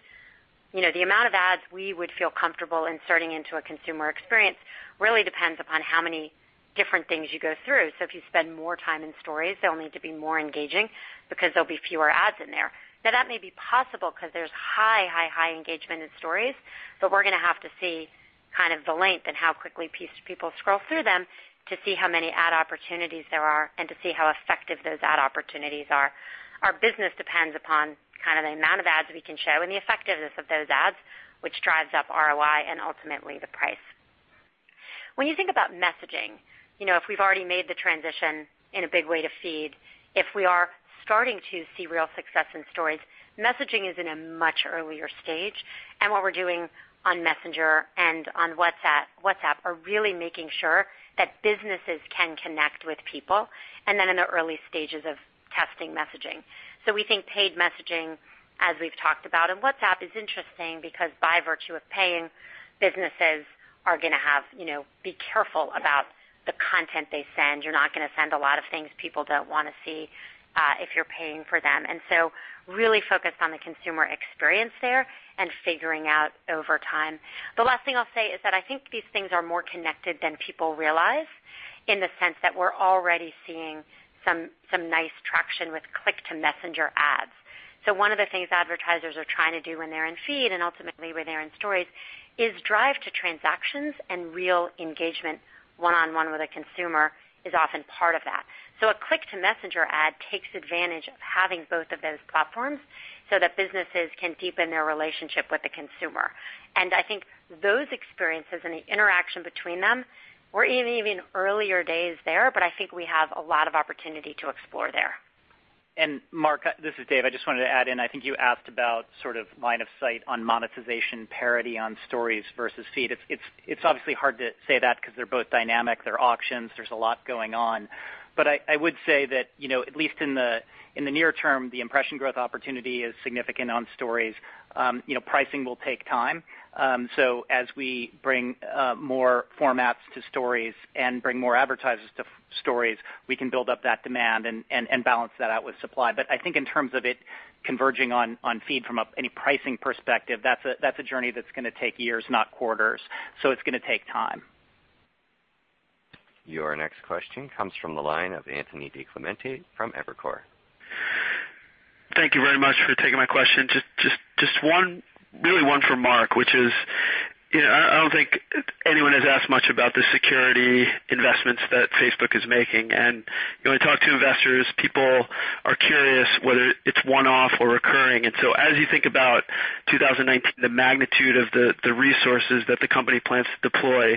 You know, the amount of ads we would feel comfortable inserting into a consumer experience really depends upon how many different things you go through. So if you spend more time in Stories, they'll need to be more engaging because there'll be fewer ads in there. Now, that may be possible 'cause there's high, high, high engagement in Stories, but we're gonna have to see kind of the length and how quickly people scroll through them to see how many ad opportunities there are and to see how effective those ad opportunities are. Our business depends upon kind of the amount of ads we can show and the effectiveness of those ads, which drives up ROI and ultimately the price. When you think about messaging, you know, if we've already made the transition in a big way to Feed, if we are starting to see real success in Stories, messaging is in a much earlier stage. What we're doing on Messenger and on WhatsApp are really making sure that businesses can connect with people and then in the early stages of testing messaging. We think paid messaging, as we've talked about, and WhatsApp is interesting because by virtue of paying, businesses are gonna have, you know, be careful about the content they send. You're not gonna send a lot of things people don't wanna see if you're paying for them. We are really focused on the consumer experience there and figuring out over time. The last thing I'll say is that I think these things are more connected than people realize in the sense that we're already seeing some nice traction with click-to-Messenger ads. One of the things advertisers are trying to do when they're in Feed and ultimately when they're in Stories is drive to transactions and real engagement one-on-one with a consumer is often part of that. A click-to-Messenger ad takes advantage of having both of those platforms so that businesses can deepen their relationship with the consumer. I think those experiences and the interaction between them, we're in even earlier days there, but I think we have a lot of opportunity to explore there.
Mark, this is Dave. I just wanted to add in, I think you asked about sort of line of sight on monetization parity on Stories versus Feed. It's obviously hard to say that because they're both dynamic. They're auctions. There's a lot going on. I would say that, you know, at least in the near term, the impression growth opportunity is significant on Stories. You know, pricing will take time. As we bring more formats to Stories and bring more advertisers to Stories, we can build up that demand and balance that out with supply. I think in terms of it converging on Feed from any pricing perspective, that's a journey that's gonna take years, not quarters. It's gonna take time.
Your next question comes from the line of Anthony DiClemente from Evercore.
Thank you very much for taking my question. Just one, really one for Mark, which is, you know, I don't think anyone has asked much about the security investments that Facebook is making. You know, when I talk to investors, people are curious whether it's one-off or recurring. As you think about 2019, the magnitude of the resources that the company plans to deploy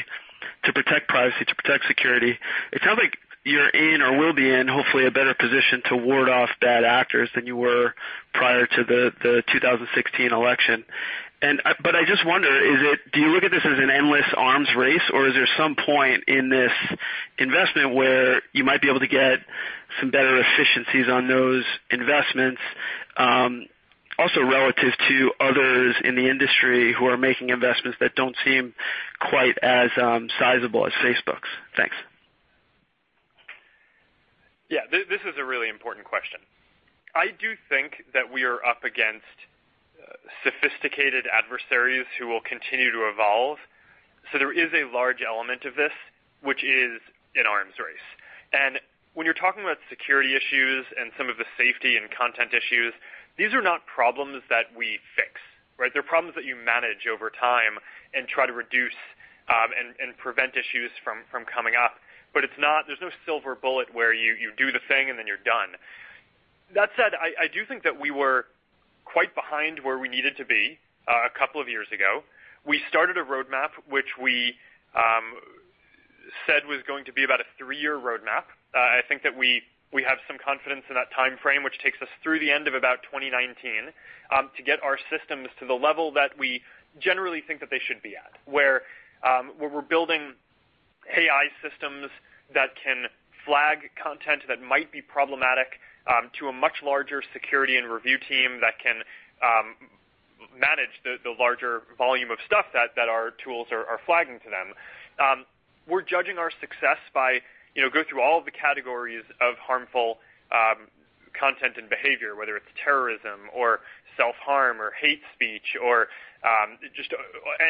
to protect privacy, to protect security, it sounds like you're in or will be in, hopefully, a better position to ward off bad actors than you were prior to the 2016 election. I just wonder, do you look at this as an endless arms race, or is there some point in this investment where you might be able to get some better efficiencies on those investments, also relative to others in the industry who are making investments that don't seem quite as sizable as Facebook's? Thanks.
Yeah. This is a really important question. I do think that we are up against sophisticated adversaries who will continue to evolve. There is a large element of this, which is an arms race. When you're talking about security issues and some of the safety and content issues, these are not problems that we fix, right? They're problems that you manage over time and try to reduce and prevent issues from coming up. There's no silver bullet where you do the thing and then you're done. That said, I do think we were quite behind where we needed to be a couple of years ago. We started a roadmap, which we said was going to be about a three-year roadmap. I think that we have some confidence in that timeframe, which takes us through the end of about 2019, to get our systems to the level that we generally think that they should be at, where we're building AI systems that can flag content that might be problematic, to a much larger security and review team that can. Manage the larger volume of stuff that our tools are flagging to them. We're judging our success by, you know, go through all of the categories of harmful content and behavior, whether it's terrorism or self-harm or hate speech or just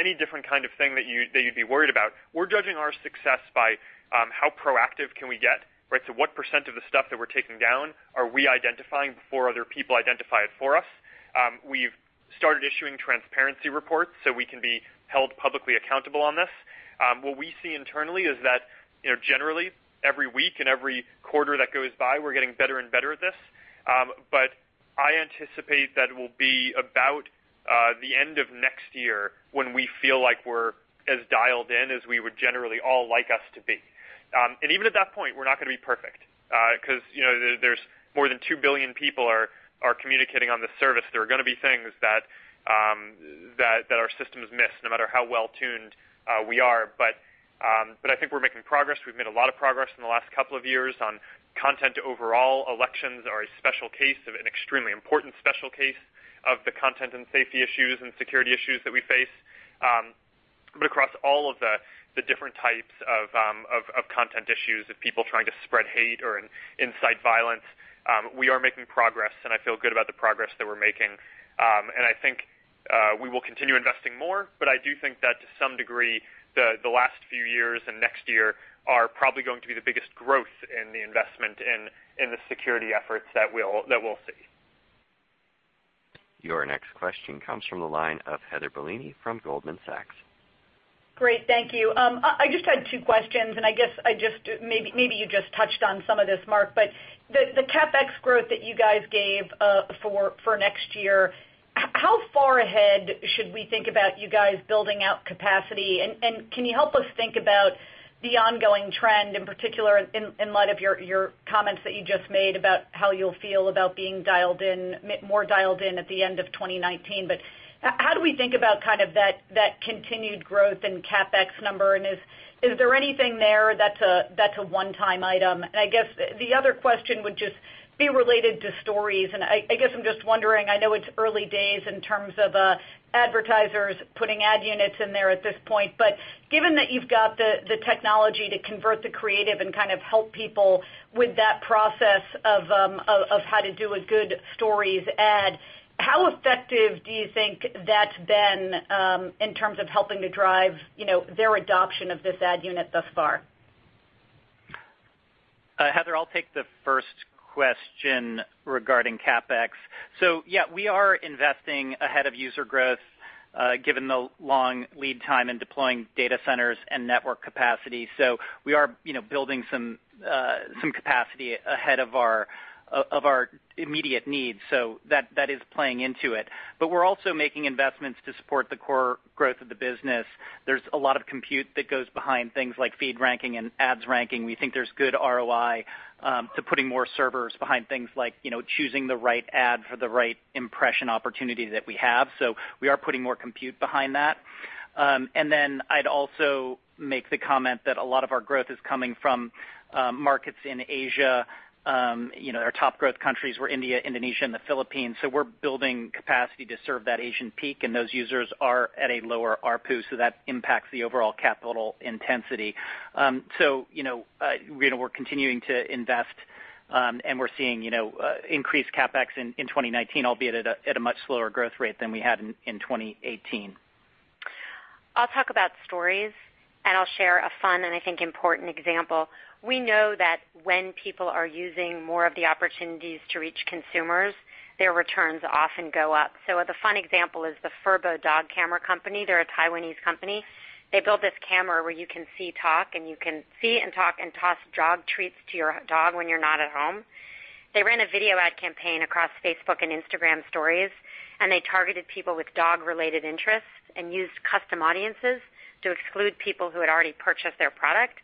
any different kind of thing that you'd be worried about. We're judging our success by how proactive can we get, right? What percentage of the stuff that we're taking down are we identifying before other people identify it for us? We've started issuing transparency reports so we can be held publicly accountable on this. What we see internally is that, you know, generally, every week and every quarter that goes by, we're getting better and better at this. I anticipate that it will be about the end of next year when we feel like we're as dialed in as we would generally all like us to be. Even at that point, we're not gonna be perfect 'cause, you know, there's more than 2 billion people are communicating on this service. There are gonna be things that our systems miss no matter how well-tuned we are. I think we're making progress. We've made a lot of progress in the last couple of years on content overall. Elections are a special case of an extremely important special case of the content and safety issues and security issues that we face. Across all of the different types of content issues of people trying to spread hate or incite violence, we are making progress, and I feel good about the progress that we're making. I think we will continue investing more, but I do think that to some degree, the last few years and next year are probably going to be the biggest growth in the investment in the security efforts that we'll see.
Your next question comes from the line of Heather Bellini from Goldman Sachs.
Great. Thank you. I just had two questions, and I guess I just, maybe you just touched on some of this, Mark, but the CapEx growth that you guys gave for next year, how far ahead should we think about you guys building out capacity? Can you help us think about the ongoing trend, in particular in light of your comments that you just made about how you'll feel about being more dialed in at the end of 2019. How do we think about kind of that continued growth and CapEx number? Is there anything there that's a one-time item? I guess the other question would just be related to Stories. I guess I'm just wondering, I know it's early days in terms of advertisers putting ad units in there at this point, but given that you've got the technology to convert the creative and kind of help people with that process of how to do a good Stories ad, how effective do you think that's been in terms of helping to drive, you know, their adoption of this ad unit thus far?
Heather, I'll take the first question regarding CapEx. Yeah, we are investing ahead of user growth, given the long lead time in deploying data centers and network capacity. We are, you know, building some capacity ahead of our immediate needs. That is playing into it. We're also making investments to support the core growth of the business. There's a lot of compute that goes behind things like Feed ranking and ads ranking. We think there's good ROI, to putting more servers behind things like, you know, choosing the right ad for the right impression opportunity that we have. We are putting more compute behind that. Then I'd also make the comment that a lot of our growth is coming from, markets in Asia. You know, our top growth countries were India, Indonesia, and the Philippines. We're building capacity to serve that Asian peak, and those users are at a lower ARPU, so that impacts the overall capital intensity. You know, you know, we're continuing to invest, and we're seeing, you know, increased CapEx in 2019, albeit at a much slower growth rate than we had in 2018.
I'll talk about Stories, and I'll share a fun and I think important example. We know that when people are using more of the opportunities to reach consumers, their returns often go up. The fun example is the Furbo dog camera company. They're a Taiwanese company. They built this camera where you can see and talk and toss dog treats to your dog when you're not at home. They ran a video ad campaign across Facebook and Instagram Stories, and they targeted people with dog-related interests and used custom audiences to exclude people who had already purchased their product.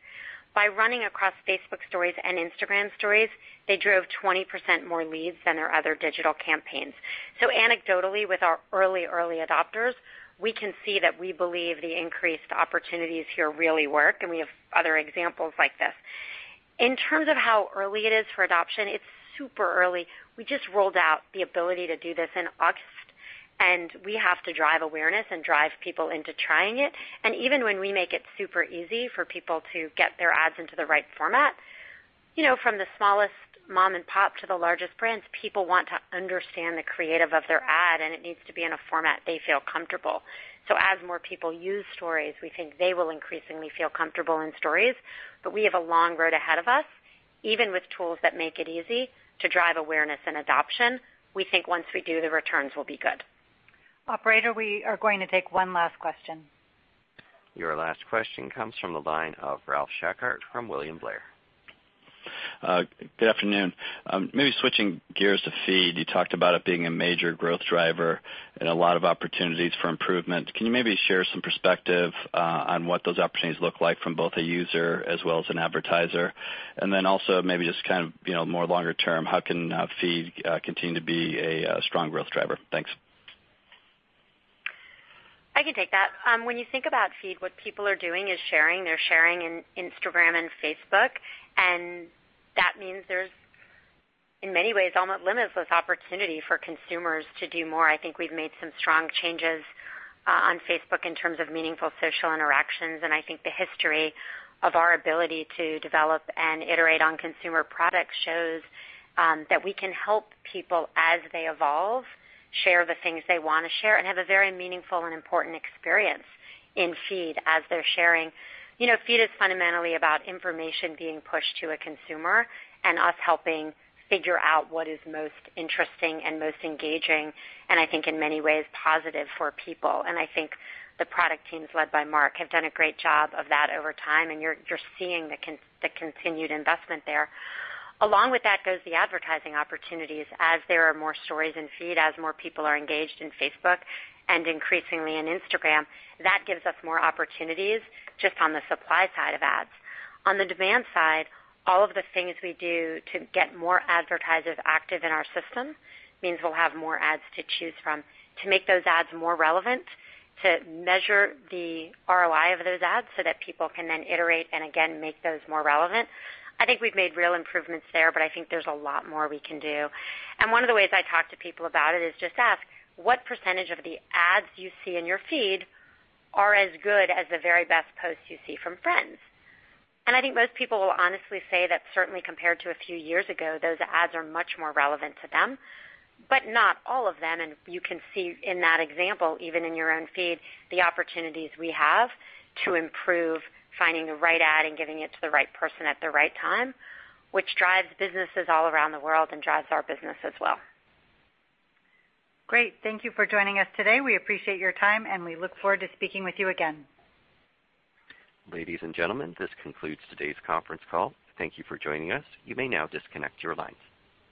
By running across Facebook Stories and Instagram Stories, they drove 20% more leads than their other digital campaigns. Anecdotally, with our early adopters, we can see that we believe the increased opportunities here really work, and we have other examples like this. In terms of how early it is for adoption, it's super early. We just rolled out the ability to do this in August, we have to drive awareness and drive people into trying it. Even when we make it super easy for people to get their ads into the right format, you know, from the smallest mom and pop to the largest brands, people want to understand the creative of their ad, and it needs to be in a format they feel comfortable. As more people use Stories, we think they will increasingly feel comfortable in Stories. We have a long road ahead of us, even with tools that make it easy to drive awareness and adoption. We think once we do, the returns will be good.
Operator, we are going to take one last question.
Your last question comes from the line of Ralph Schackart from William Blair.
Good afternoon. Maybe switching gears to Feed, you talked about it being a major growth driver and a lot of opportunities for improvement. Can you maybe share some perspective on what those opportunities look like from both a user as well as an advertiser? Also maybe just kind of, you know, more longer term, how can Feed continue to be a strong growth driver? Thanks.
I can take that. When you think about feed, what people are doing is sharing. They're sharing in Instagram and Facebook, and that means there's, in many ways, almost limitless opportunity for consumers to do more. I think we've made some strong changes on Facebook in terms of meaningful social interactions, and I think the history of our ability to develop and iterate on consumer products shows that we can help people as they evolve, share the things they wanna share, and have a very meaningful and important experience in Feed as they're sharing. You know, Feed is fundamentally about information being pushed to a consumer and us helping figure out what is most interesting and most engaging, and I think in many ways, positive for people. I think the product teams led by Mark have done a great job of that over time, and you're seeing the continued investment there. Along with that goes the advertising opportunities. As there are more Stories in Feed, as more people are engaged in Facebook and increasingly in Instagram, that gives us more opportunities just on the supply side of ads. On the demand side, all of the things we do to get more advertisers active in our system means we'll have more ads to choose from to make those ads more relevant, to measure the ROI of those ads so that people can then iterate and again, make those more relevant. I think we've made real improvements there, but I think there's a lot more we can do. One of the ways I talk to people about it is just ask, what percentage of the ads you see in your Feed are as good as the very best posts you see from friends? I think most people will honestly say that certainly compared to a few years ago, those ads are much more relevant to them, but not all of them, and you can see in that example, even in your own feed, the opportunities we have to improve finding the right ad and giving it to the right person at the right time, which drives businesses all around the world and drives our business as well.
Great. Thank you for joining us today. We appreciate your time, and we look forward to speaking with you again.
Ladies and gentlemen, this concludes today's conference call. Thank you for joining us. You may now disconnect your lines.